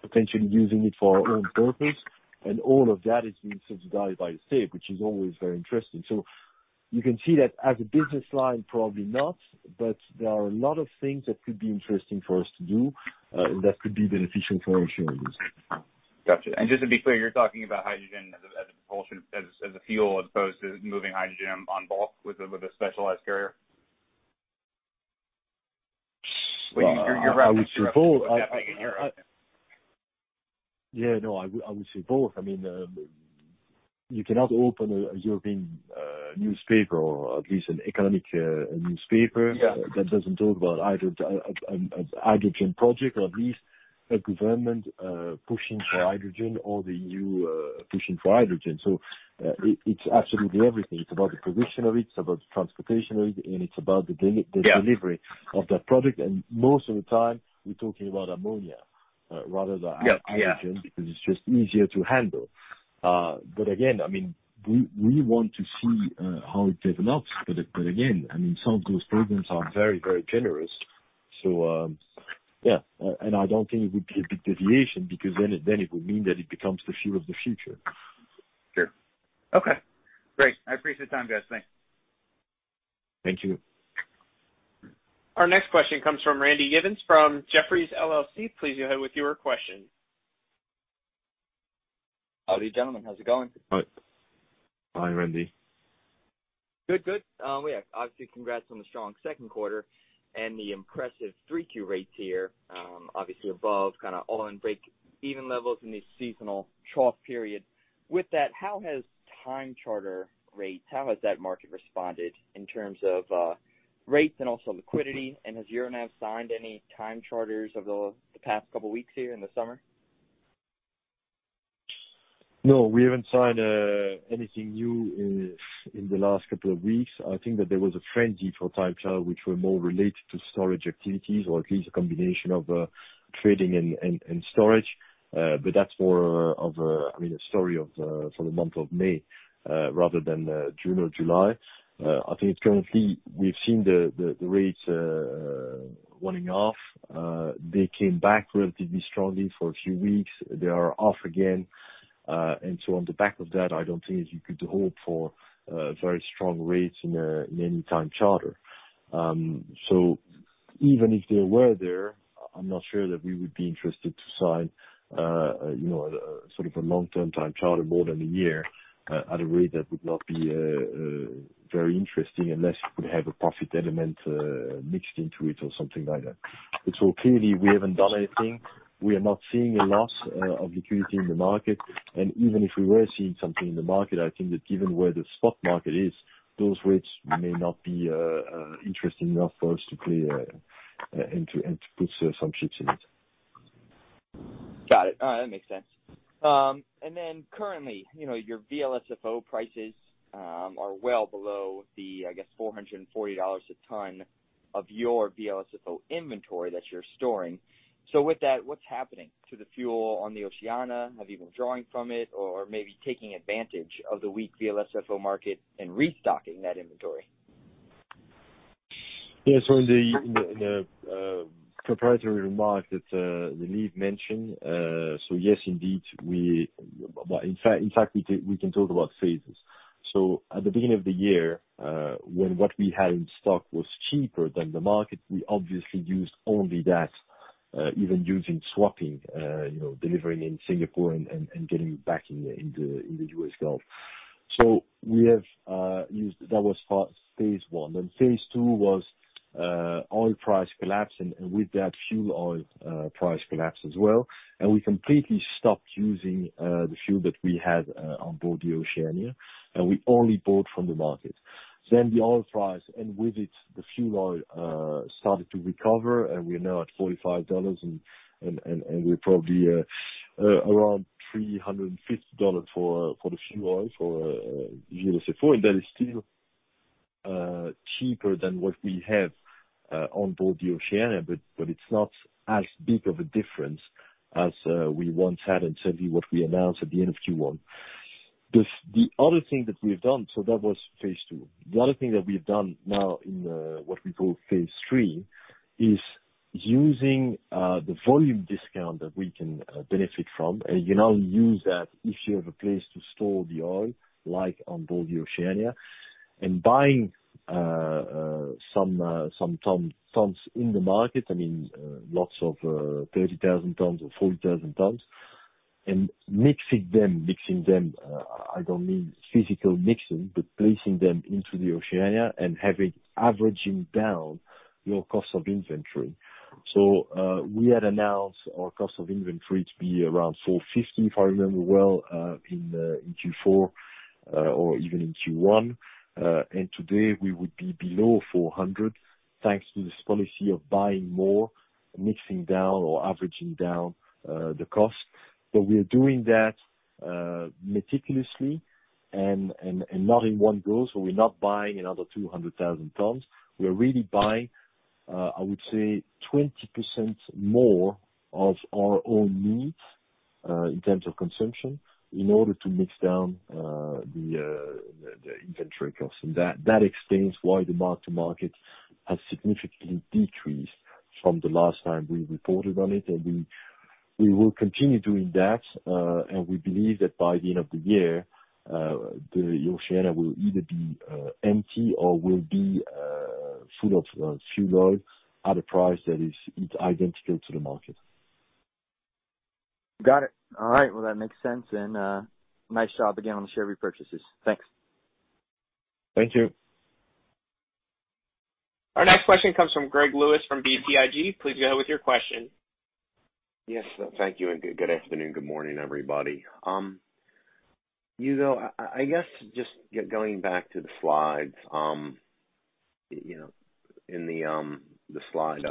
S3: potentially using it for our own purpose, and all of that is being subsidized by the state, which is always very interesting. You can see that as a business line, probably not, but there are a lot of things that could be interesting for us to do that could be beneficial for our shareholders.
S8: Got you. Just to be clear, you're talking about hydrogen as a propulsion, as a fuel, as opposed to moving hydrogen on bulk with a specialized carrier? You're wrapping it up with that thing in Europe.
S3: No, I would say both. You cannot open a European newspaper, or at least an economic newspaper. that doesn't talk about a hydrogen project, or at least a government pushing for hydrogen or the EU pushing for hydrogen. It's absolutely everything. It's about the production of it's about the transportation of it, and it's about the delivery of that product, and most of the time, we're talking about ammonia rather than hydrogen because it's just easier to handle. Again, we want to see how it develops. Again, some of those programs are very, very generous. Yeah. I don't think it would be a big deviation, because then it would mean that it becomes the fuel of the future.
S8: Sure. Okay. Great. I appreciate the time, guys. Thanks.
S3: Thank you.
S1: Our next question comes from Randy Giveans from Jefferies LLC. Please go ahead with your question.
S9: Howdy, gentlemen. How's it going?
S3: Hi.
S2: Hi, Randy.
S9: Good, good. Yeah. Obviously, congrats on the strong second quarter and the impressive three Q rates here, obviously above, kind of all in break-even levels in this seasonal trough period. With that, how has time charter rates, how has that market responded in terms of rates and also liquidity? And has Euronav signed any time charters over the past couple of weeks here in the summer?
S3: No, we haven't signed anything new in the last couple of weeks. I think that there was a trend for time charter, which were more related to storage activities, or at least a combination of trading and storage. That's more of a story for the month of May rather than June or July. I think currently, we've seen the rates running off. They came back relatively strongly for a few weeks. They are off again. On the back of that, I don't think you could hope for very strong rates in any time charter. Even if they were there, I'm not sure that we would be interested to sign sort of a long-term time charter more than a year at a rate that would not be very interesting, unless you could have a profit element mixed into it or something like that. Clearly we haven't done anything. We are not seeing a lot of liquidity in the market. Even if we were seeing something in the market, I think that given where the spot market is, those rates may not be interesting enough for us to play and to put some ships in it.
S9: Got it. All right, that makes sense. Currently, your VLSFO prices are well below the, I guess, $440 a ton of your VLSFO inventory that you're storing. What's happening to the fuel on the Oceania? Have you been drawing from it or maybe taking advantage of the weak VLSFO market and restocking that inventory?
S3: In the proprietary remark that Neal mentioned, yes, indeed. In fact, we can talk about phases. At the beginning of the year, when what we had in stock was cheaper than the market, we obviously used only that, even using swapping, delivering in Singapore and getting it back in the U.S. Gulf. That was phase one. Phase two was oil price collapse, and with that, fuel oil price collapsed as well. We completely stopped using the fuel that we had on board the Oceania, and we only bought from the market. The oil price, and with it, the fuel oil, started to recover, and we're now at $45 and we're probably around $350 for the fuel oil, for VLSFO. That is still cheaper than what we have on board the Oceania. It's not as big of a difference as we once had, and certainly what we announced at the end of Q1. That was phase two. The other thing that we have done now in what we call phase three, is using the volume discount that we can benefit from, and you now use that if you have a place to store the oil, like on board the Oceania, and buying some tons in the market, lots of 30,000 tons or 40,000 tons, and mixing them. Mixing them, I don't mean physical mixing, but placing them into the Oceania and having averaging down your cost of inventory. We had announced our cost of inventory to be around 450, if I remember well, in Q4 or even in Q1. Today we would be below 400, thanks to this policy of buying more, mixing down or averaging down the cost. We are doing that meticulously and not in one go. We're not buying another 200,000 tons. We are really buying, I would say, 20% more of our own needs, in terms of consumption, in order to mix down the inventory cost. That explains why the mark-to-market has significantly decreased from the last time we reported on it. We will continue doing that. We believe that by the end of the year, the Oceania will either be empty or will be full of fuel oil at a price that is identical to the market.
S9: Got it. All right. Well, that makes sense. Nice job again on the share repurchases. Thanks.
S3: Thank you.
S1: Our next question comes from Greg Lewis from BTIG. Please go ahead with your question.
S10: Yes. Thank you, and good afternoon, good morning, everybody. Hugo, I guess just going back to the slides. In the slide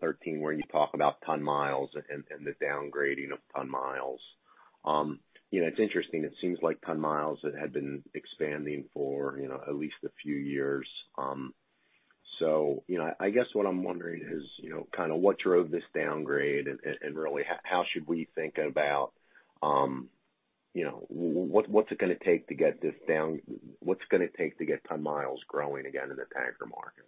S10: 13, where you talk about ton-miles and the downgrading of ton-miles. It's interesting, it seems like ton-miles had been expanding for at least a few years. I guess what I'm wondering is, what drove this downgrade and really, how should we think about what's it going to take to get ton-miles growing again in the tanker market?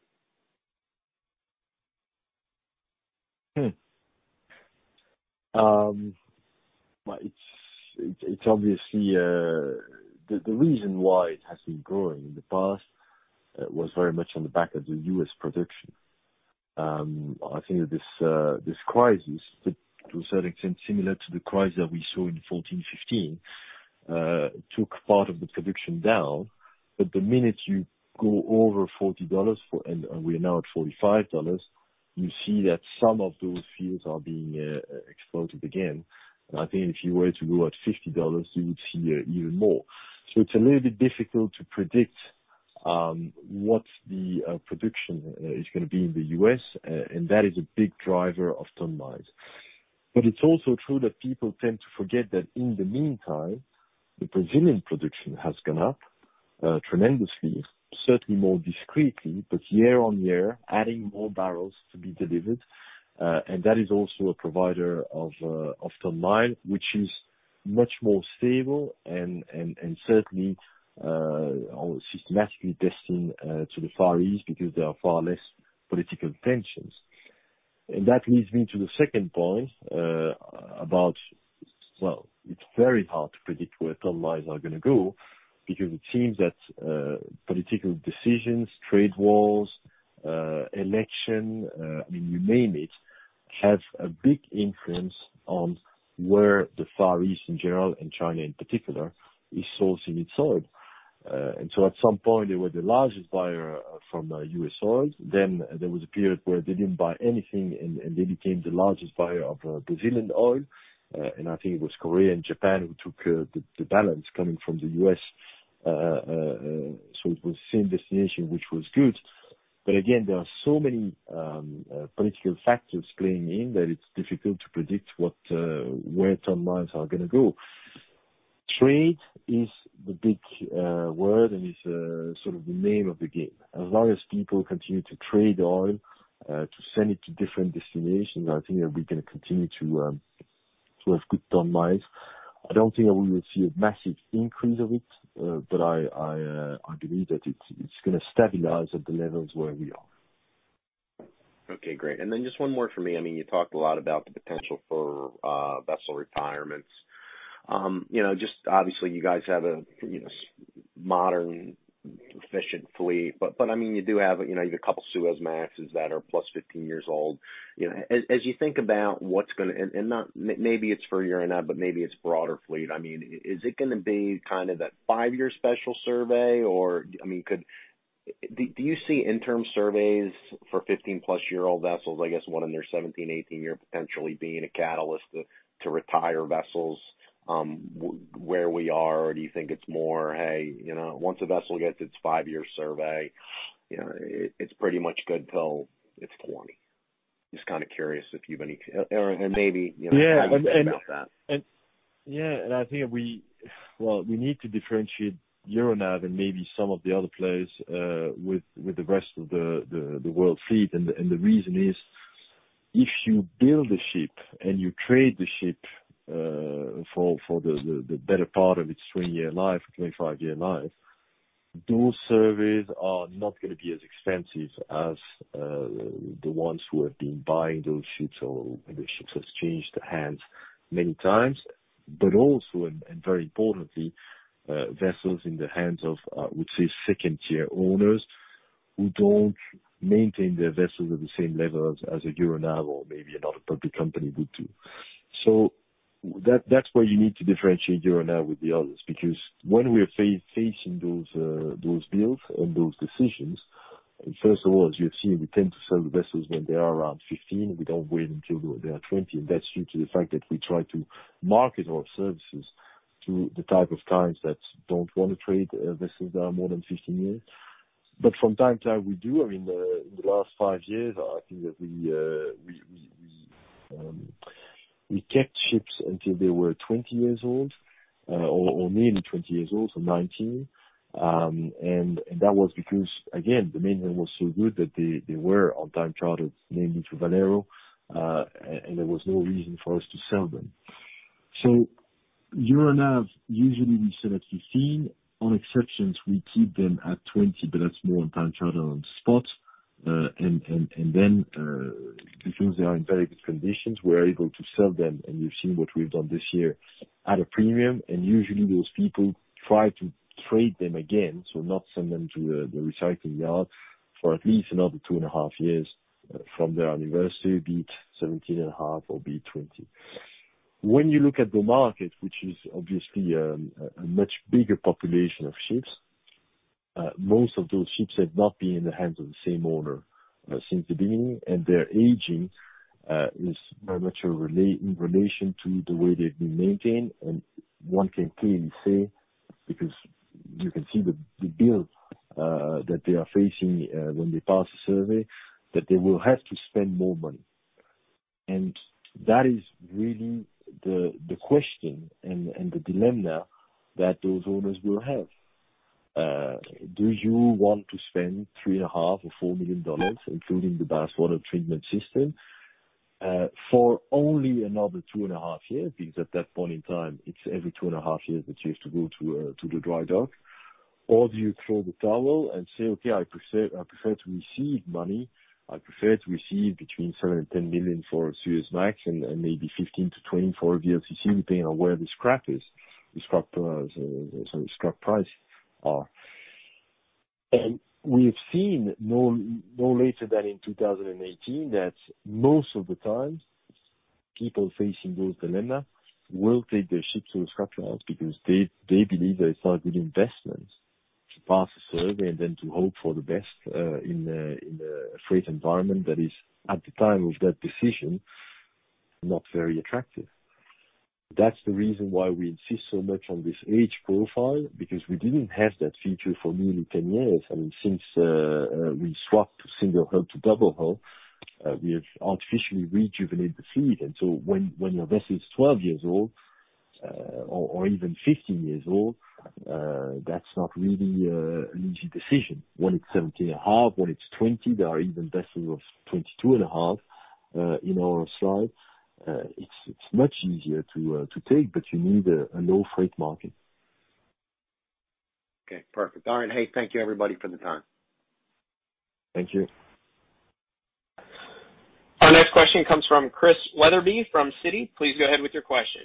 S3: The reason why it has been growing in the past, was very much on the back of the U.S. production. I think that this crisis, to a certain extent, similar to the crisis that we saw in 2014, 2015, took part of the production down. The minute you go over $40, and we are now at $45, you see that some of those fields are being exploited again. I think if you were to go at $50, you would see even more. It's a little bit difficult to predict what the production is going to be in the U.S., and that is a big driver of ton-miles. It's also true that people tend to forget that in the meantime, the Brazilian production has gone up tremendously, certainly more discreetly, but year-on-year, adding more barrels to be delivered. That is also a provider of ton-miles, which is much more stable and certainly, or systematically destined to the Far East because there are far less political tensions. That leads me to the second point about, well, it's very hard to predict where ton-miles are going to go because it seems that political decisions, trade wars, election, you name it, have a big influence on where the Far East in general, and China in particular, is sourcing its oil. At some point, they were the largest buyer of from the U.S. oil. Then there was a period where they didn't buy anything, and they became the largest buyer of Brazilian oil. I think it was Korea and Japan who took the balance coming from the U.S., so it was same destination, which was good. Again, there are so many political factors playing in that it's difficult to predict where ton-miles are going to go. Trade is the big word, and it's sort of the name of the game. As long as people continue to trade oil, to send it to different destinations, I think that we're going to continue to have good ton-miles. I don't think that we will see a massive increase of it, but I believe that it's going to stabilize at the levels where we are.
S10: Okay, great. Just one more from me. You talked a lot about the potential for vessel retirements. Obviously, you guys have a modern, efficient fleet, but you have a couple of Suezmaxes that are plus 15 years old. As you think about what's going to Maybe it's for Euronav, but maybe it's broader fleet. Is it going to be that five-year special survey? Do you see interim surveys for 15-plus-year-old vessels, I guess, one in their 17, 18 year potentially being a catalyst to retire vessels where we are? Do you think it's more, "Hey, once a vessel gets its five-year survey, it's pretty much good till it's 20." Just kind of curious if you have any. What do you think about that?
S3: I think we need to differentiate Euronav and maybe some of the other players with the rest of the world fleet. The reason is, if you build a ship and you trade the ship for the better part of its 20-year life, 25-year life, those surveys are not going to be as extensive as the ones who have been buying those ships or the ships have changed hands many times. Very importantly, vessels in the hands of, we'll say, second-tier owners who don't maintain their vessels at the same level as a Euronav or maybe another public company would do. That's where you need to differentiate Euronav with the others, because when we are facing those bills and those decisions, first of all, as you have seen, we tend to sell the vessels when they are around 15. We don't wait until they are 20, and that's due to the fact that we try to market our services to the type of clients that don't want to trade vessels that are more than 15 years. From time to time, we do. In the last five years, I think that we kept ships until they were 20 years old or nearly 20 years old, so 19. That was because, again, the maintenance was so good that they were on time chartered mainly to Valero, and there was no reason for us to sell them. Euronav, usually we sell at 15. On exceptions, we keep them at 20, but that's more on time charter on the spot. Because they are in very good conditions, we're able to sell them, and you've seen what we've done this year at a premium. Usually those people try to trade them again, so not send them to the recycling yard for at least another two and a half years from their anniversary, be it 17 and a half or be 20. When you look at the market, which is obviously a much bigger population of ships, most of those ships have not been in the hands of the same owner since the beginning, and their aging is very much in relation to the way they've been maintained. One can clearly say, because you can see the bill that they are facing when they pass a survey, that they will have to spend more money. That is really the question and the dilemma that those owners will have. Do you want to spend three and a half or $4 million, including the ballast water treatment system, for only another two and a half years? Because at that point in time, it's every two and a half years that you have to go to the dry dock. Or do you throw the towel and say, "Okay, I prefer to receive money. I prefer to receive between $7 million to $10 million for a Suezmax, and maybe $15 million to $20 million for a VLCC, depending on where the scrap price are." We have seen no later than in 2018 that most of the time, people facing those dilemma will take their ships to the scrap yards because they believe that it's not a good investment to pass a survey and then to hope for the best in a freight environment that is, at the time of that decision, not very attractive. That's the reason why we insist so much on this age profile, because we didn't have that feature for nearly 10 years. Since we swapped single hull to double hull, we have artificially rejuvenated the fleet. When your vessel is 12 years old or even 15 years old, that's not really an easy decision. When it's 17 and a half, when it's 20, there are even vessels of 22 and a half in our slide. It's much easier to take, but you need a low freight market.
S10: Okay, perfect. All right. Hey, thank you everybody for the time.
S3: Thank you.
S1: Our next question comes from Chris Wetherbee from Citi. Please go ahead with your question.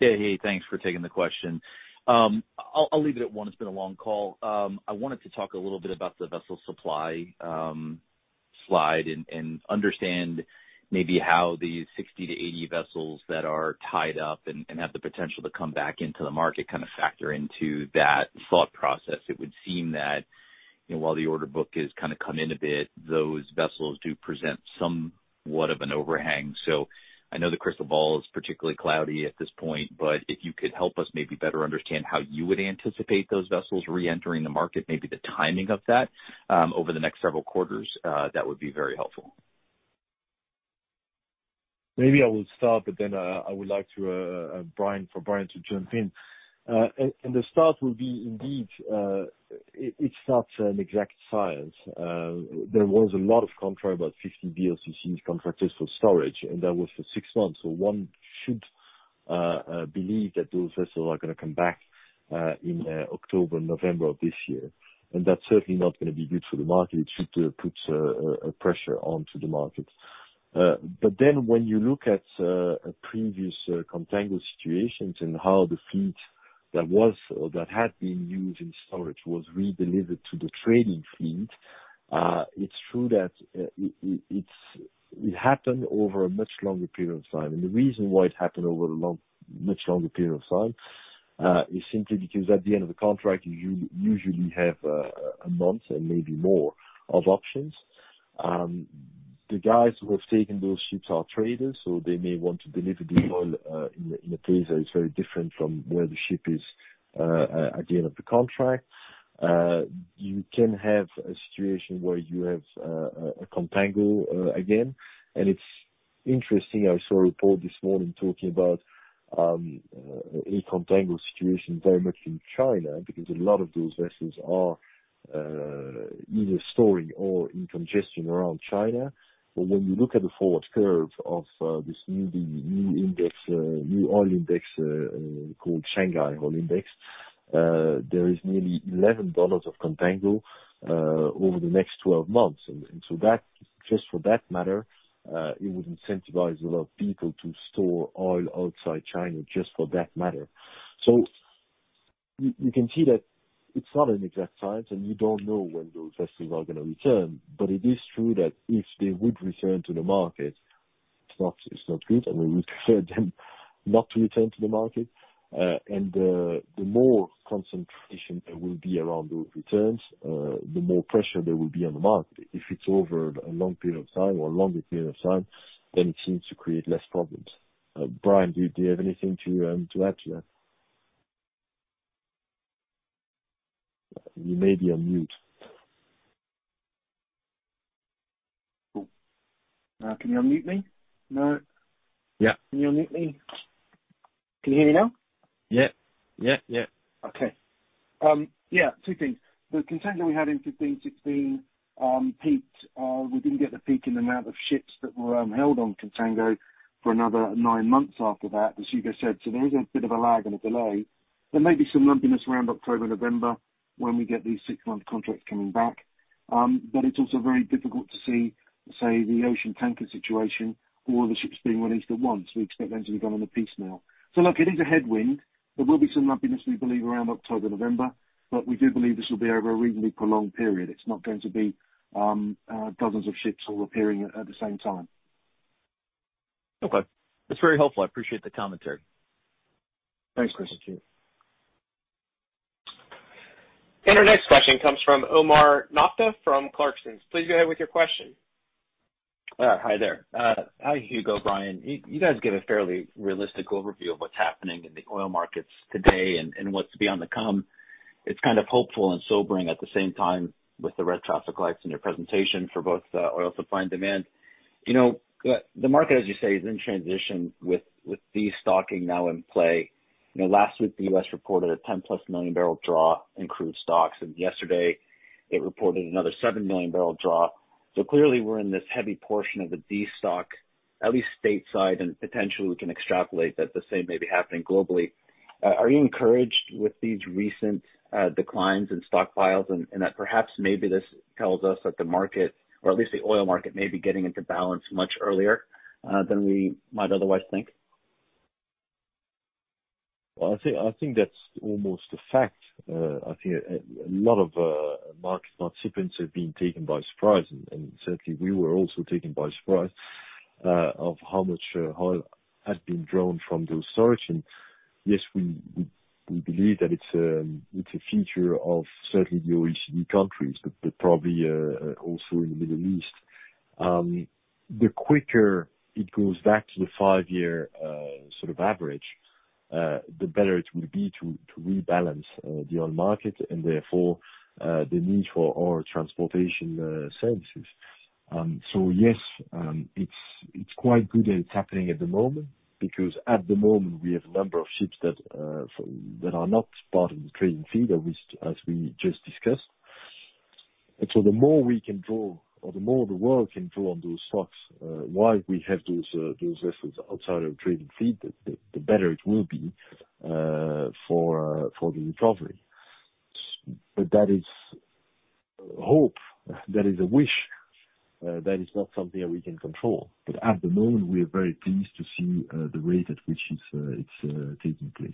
S11: Hey. Thanks for taking the question. I'll leave it at one. It's been a long call. I wanted to talk a little bit about the vessel supply slide and understand maybe how these 60 to 80 vessels that are tied up and have the potential to come back into the market factor into that thought process. It would seem that, while the order book has come in a bit, those vessels do present somewhat of an overhang. I know the crystal ball is particularly cloudy at this point, but if you could help us maybe better understand how you would anticipate those vessels reentering the market, maybe the timing of that, over the next several quarters, that would be very helpful.
S3: Maybe I will start, but then I would like for Brian to jump in. The start will be, indeed, it's not an exact science. There was a lot of Contango, about 50 VLCCs contracted for storage, and that was for six months. One should believe that those vessels are going to come back in October, November of this year. That's certainly not going to be good for the market. It should put pressure onto the market. When you look at previous Contango situations and how the fleet that had been used in storage was redelivered to the trading fleet, it's true that it happened over a much longer period of time. The reason why it happened over a much longer period of time, is simply because at the end of the contract, you usually have a month and maybe more of options. The guys who have taken those ships are traders, so they may want to deliver the oil, in a place that is very different from where the ship is at the end of the contract. You can have a situation where you have a contango again. It's interesting, I saw a report this morning talking about a contango situation very much in China, because a lot of those vessels are either storing or in congestion around China. When you look at the forward curve of this new oil index, called Shanghai Oil Index, there is nearly $11 of contango, over the next 12 months. Just for that matter, it would incentivize a lot of people to store oil outside China just for that matter. You can see that it's not an exact science, and you don't know when those vessels are going to return. It is true that if they would return to the market, it's not good, and we would prefer them not to return to the market. The more concentration there will be around those returns, the more pressure there will be on the market. If it's over a long period of time or a longer period of time, then it seems to create less problems. Brian, do you have anything to add to that? You may be on mute.
S2: Can you unmute me? No. Can you unmute me? Can you hear me now? Okay. Yeah, two things. The contango we had in 2015, 2016 peaked. We didn't get the peak in the amount of ships that were held on contango for another nine months after that, as Hugo said. There is a bit of a lag and a delay. There may be some lumpiness around October, November, when we get these six-month contracts coming back. It's also very difficult to see, say, the ocean tanker situation, all the ships being released at once. We expect them to be gone on the piecemeal. Look, it is a headwind. There will be some lumpiness, we believe, around October, November. We do believe this will be over a reasonably prolonged period. It's not going to be dozens of ships all appearing at the same time.
S11: Okay. That's very helpful. I appreciate the commentary.
S2: Thanks, Chris.
S3: Thank you.
S1: Our next question comes from Omar Nokta from Clarksons. Please go ahead with your question.
S12: Hi there. Hi, Hugo, Brian. You guys give a fairly realistic overview of what's happening in the oil markets today and what's beyond the come. It's kind of hopeful and sobering at the same time with the red traffic lights in your presentation for both oil supply and demand. The market, as you say, is in transition with destocking now in play. Last week, the U.S. reported a 10-plus million barrel draw in crude stocks. Yesterday it reported another seven million barrel draw. Clearly we're in this heavy portion of the destock, at least Stateside, and potentially we can extrapolate that the same may be happening globally. Are you encouraged with these recent declines in stockpiles and that perhaps maybe this tells us that the market or at least the oil market may be getting into balance much earlier than we might otherwise think?
S3: I think that's almost a fact. I think a lot of market participants have been taken by surprise, and certainly we were also taken by surprise, of how much oil has been drawn from those storage. Yes, we believe that it's a feature of certainly the OECD countries, but probably also in the Middle East. The quicker it goes back to the five-year average, the better it will be to rebalance the oil market and therefore, the need for oil transportation services. Yes, it's quite good that it's happening at the moment because at the moment we have a number of ships that are not part of the trading fleet, as we just discussed. The more we can draw, or the more the world can draw on those stocks, while we have those vessels outside of trading fleet, the better it will be for the recovery. That is hope. That is a wish. That is not something that we can control. At the moment, we are very pleased to see the rate at which it's taking place.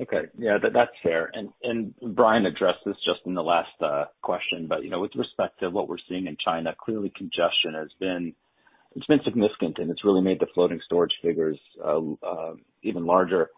S12: Okay. Yeah, that's fair. Brian addressed this just in the last question, but with respect to what we're seeing in China, clearly congestion has been significant, and it's really made the floating storage figures even larger.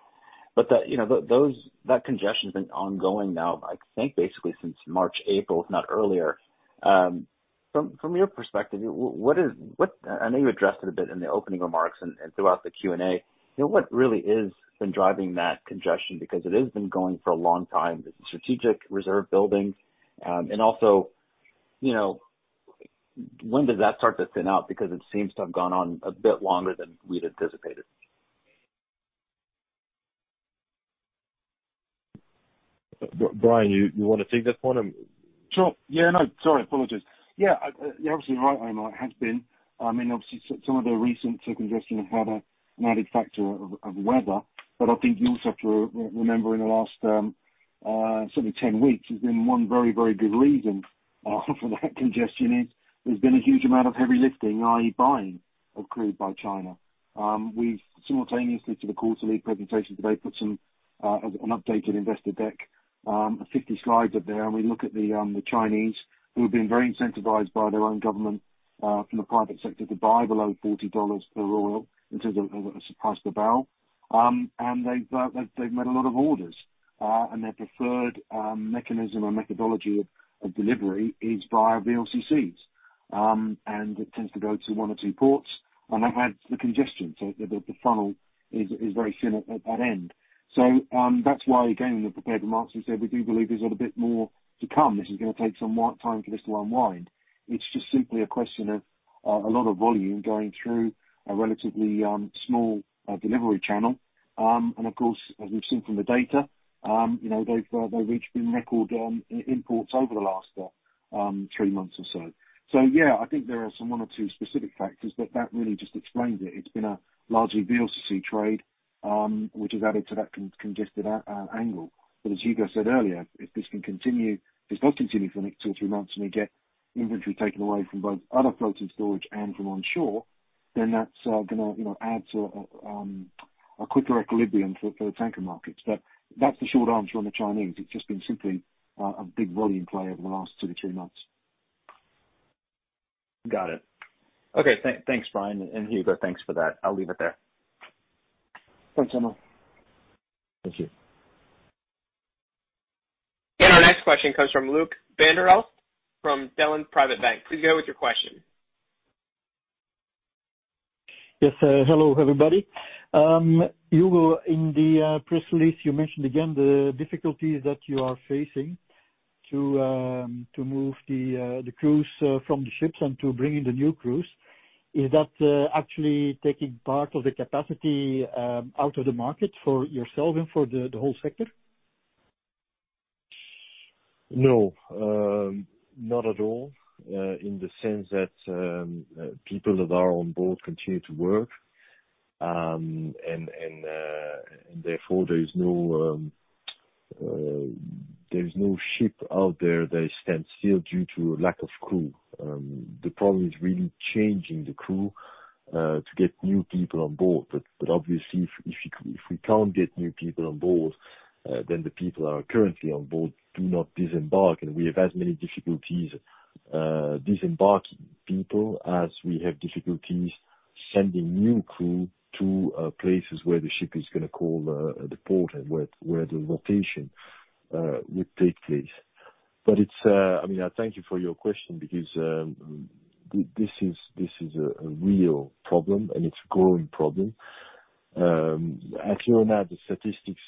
S12: That congestion has been ongoing now, I think basically since March, April, if not earlier. From your perspective, I know you addressed it a bit in the opening remarks and throughout the Q&A, what really has been driving that congestion? Because it has been going for a long time. Is it strategic reserve building? Also, when does that start to thin out? Because it seems to have gone on a bit longer than we'd anticipated.
S3: Brian, you want to take that one?
S2: Sure. Yeah, no. Sorry, apologies. Yeah, you're obviously right, Omar, it has been. Some of the recent congestion had an added factor of weather. I think you also have to remember in the last certainly 10 weeks, there's been one very good reason for that congestion is, there's been a huge amount of heavy lifting, i.e. buying, of crude by China. We've simultaneously to the quarterly presentation today, put an updated investor deck, 50 slides up there. We look at the Chinese, who have been very incentivized by their own government, from the private sector to buy below $40 per oil in terms of surpassed the barrel. They've made a lot of orders. Their preferred mechanism or methodology of delivery is via VLCCs. It tends to go to one or two ports, and that adds to the congestion. The funnel is very thin at that end. That's why, again, in the prepared remarks, we said we do believe there's a bit more to come. This is going to take some more time for this to unwind. It's just simply a question of a lot of volume going through a relatively small delivery channel. Of course, as we've seen from the data, they've reached new record imports over the last three months or so. Yeah, I think there are some one or two specific factors, but that really just explains it. It's been a largely VLCC trade, which has added to that congested angle. As Hugo said earlier, if this does continue for the next two or three months, and we get inventory taken away from both other floating storage and from onshore, then that's going to add to a quicker equilibrium for the tanker markets. That's the short answer on the Chinese. It's just been simply a big volume play over the last two to three months.
S12: Got it. Okay, thanks, Brian. Hugo, thanks for that. I'll leave it there.
S2: Thanks, Omar.
S3: Thank you.
S1: Our next question comes from Luke van der Elst from Delen Private Bank. Please go with your question.
S13: Yes. Hello, everybody. Hugo, in the press release, you mentioned again the difficulties that you are facing to move the crews from the ships and to bring in the new crews. Is that actually taking part of the capacity out of the market for yourself and for the whole sector?
S3: No. Not at all, in the sense that people that are on board continue to work. Therefore, there is no ship out there that stands still due to lack of crew. The problem is really changing the crew to get new people on board. Obviously, if we can't get new people on board, then the people that are currently on board do not disembark, and we have as many difficulties disembarking people as we have difficulties sending new crew to places where the ship is going to call the port and where the rotation would take place. I thank you for your question because this is a real problem and it's a growing problem. As you know now, the statistics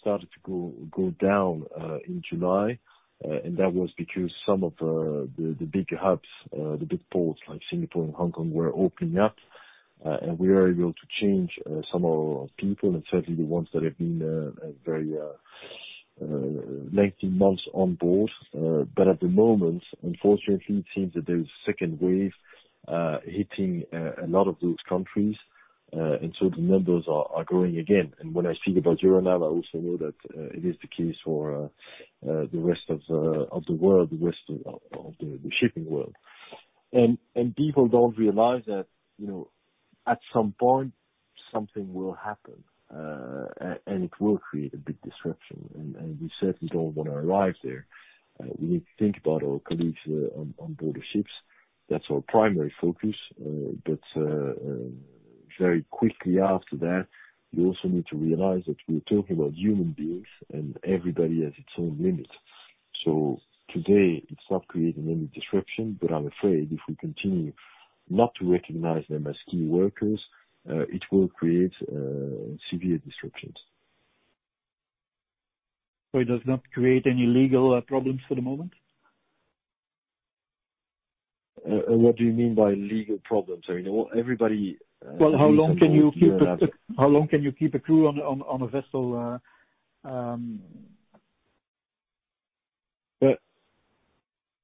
S3: started to go down in July, and that was because some of the bigger hubs, the big ports like Singapore and Hong Kong were opening up. We were able to change some of our people, and certainly the ones that have been very lengthy months on board. At the moment, unfortunately, it seems that there's a second wave hitting a lot of those countries. The numbers are growing again. When I speak about Euronav, I also know that it is the case for the rest of the world, the rest of the shipping world. People don't realize that at some point, something will happen, and it will create a big disruption. We certainly don't want to arrive there. We need to think about our colleagues on board the ships. That's our primary focus. Very quickly after that, you also need to realize that we're talking about human beings, and everybody has its own limit. Today, it's not creating any disruption, but I'm afraid if we continue not to recognize them as key workers, it will create severe disruptions.
S13: It does not create any legal problems for the moment?
S3: What do you mean by legal problems?
S13: Well, how long can you keep a crew on a vessel?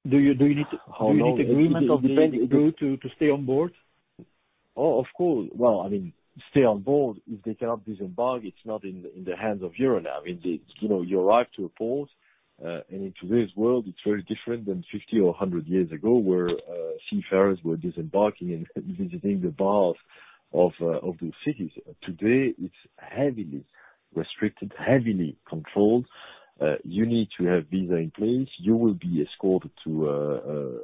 S13: Do you need agreement of the crew to stay on board?
S3: Oh, of course. Well, stay on board, if they cannot disembark, it's not in the hands of Euronav. You arrive to a port, and in today's world, it's very different than 50 or 100 years ago, where seafarers were disembarking and visiting the bars of the cities. Today, it's heavily restricted, heavily controlled. You need to have visa in place. You will be escorted to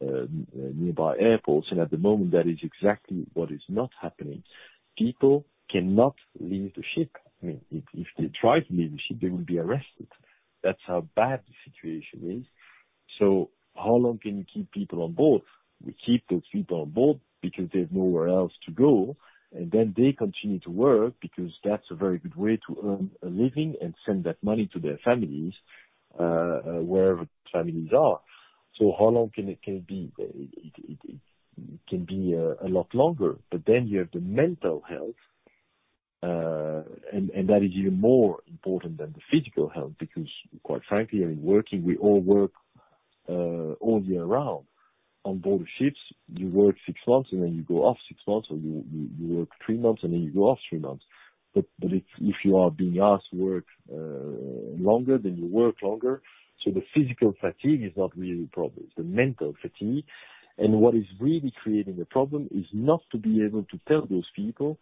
S3: nearby airports, and at the moment, that is exactly what is not happening. People cannot leave the ship. If they try to leave the ship, they will be arrested. That's how bad the situation is. How long can you keep people on board? We keep those people on board because they have nowhere else to go, and then they continue to work because that's a very good way to earn a living and send that money to their families, wherever their families are. How long can it be? It can be a lot longer. You have the mental health, and that is even more important than the physical health because quite frankly, in working, we all work all year round. On board the ships, you work six months, and then you go off six months, or you work three months, and then you go off three months. If you are being asked to work longer, then you work longer. The physical fatigue is not really a problem. It's the mental fatigue, and what is really creating a problem is not to be able to tell those people,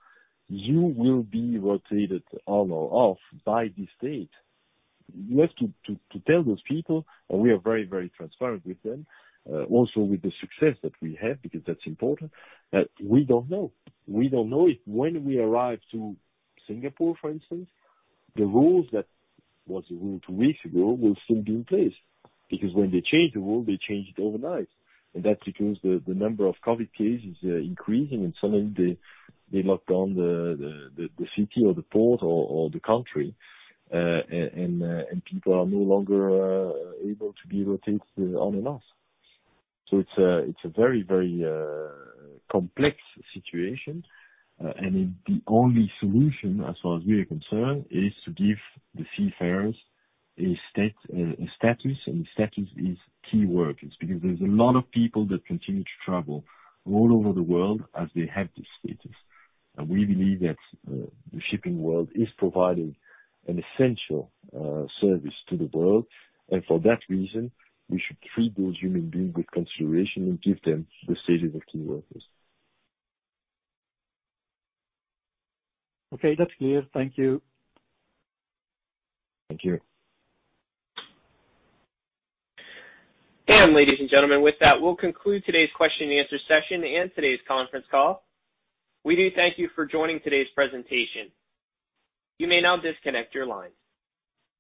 S3: "You will be rotated on or off by this date." You have to tell those people, and we are very, very transparent with them, also with the success that we have, because that's important, that we don't know. We don't know if when we arrive to Singapore, for instance, the rules that was a rule two weeks ago will still be in place. When they change the rule, they change it overnight. That's because the number of COVID-19 cases are increasing, and suddenly they lock down the city or the port or the country, and people are no longer able to be rotated on and off. It's a very, very complex situation. The only solution, as far as we are concerned, is to give the seafarers a status, and the status is key workers, because there's a lot of people that continue to travel all over the world as they have this status. We believe that the shipping world is providing an essential service to the world. For that reason, we should treat those human beings with consideration and give them the status of key workers.
S13: Okay, that's clear. Thank you.
S3: Thank you.
S1: Ladies and gentlemen, with that, we'll conclude today's question and answer session and today's conference call. We do thank you for joining today's presentation. You may now disconnect your line.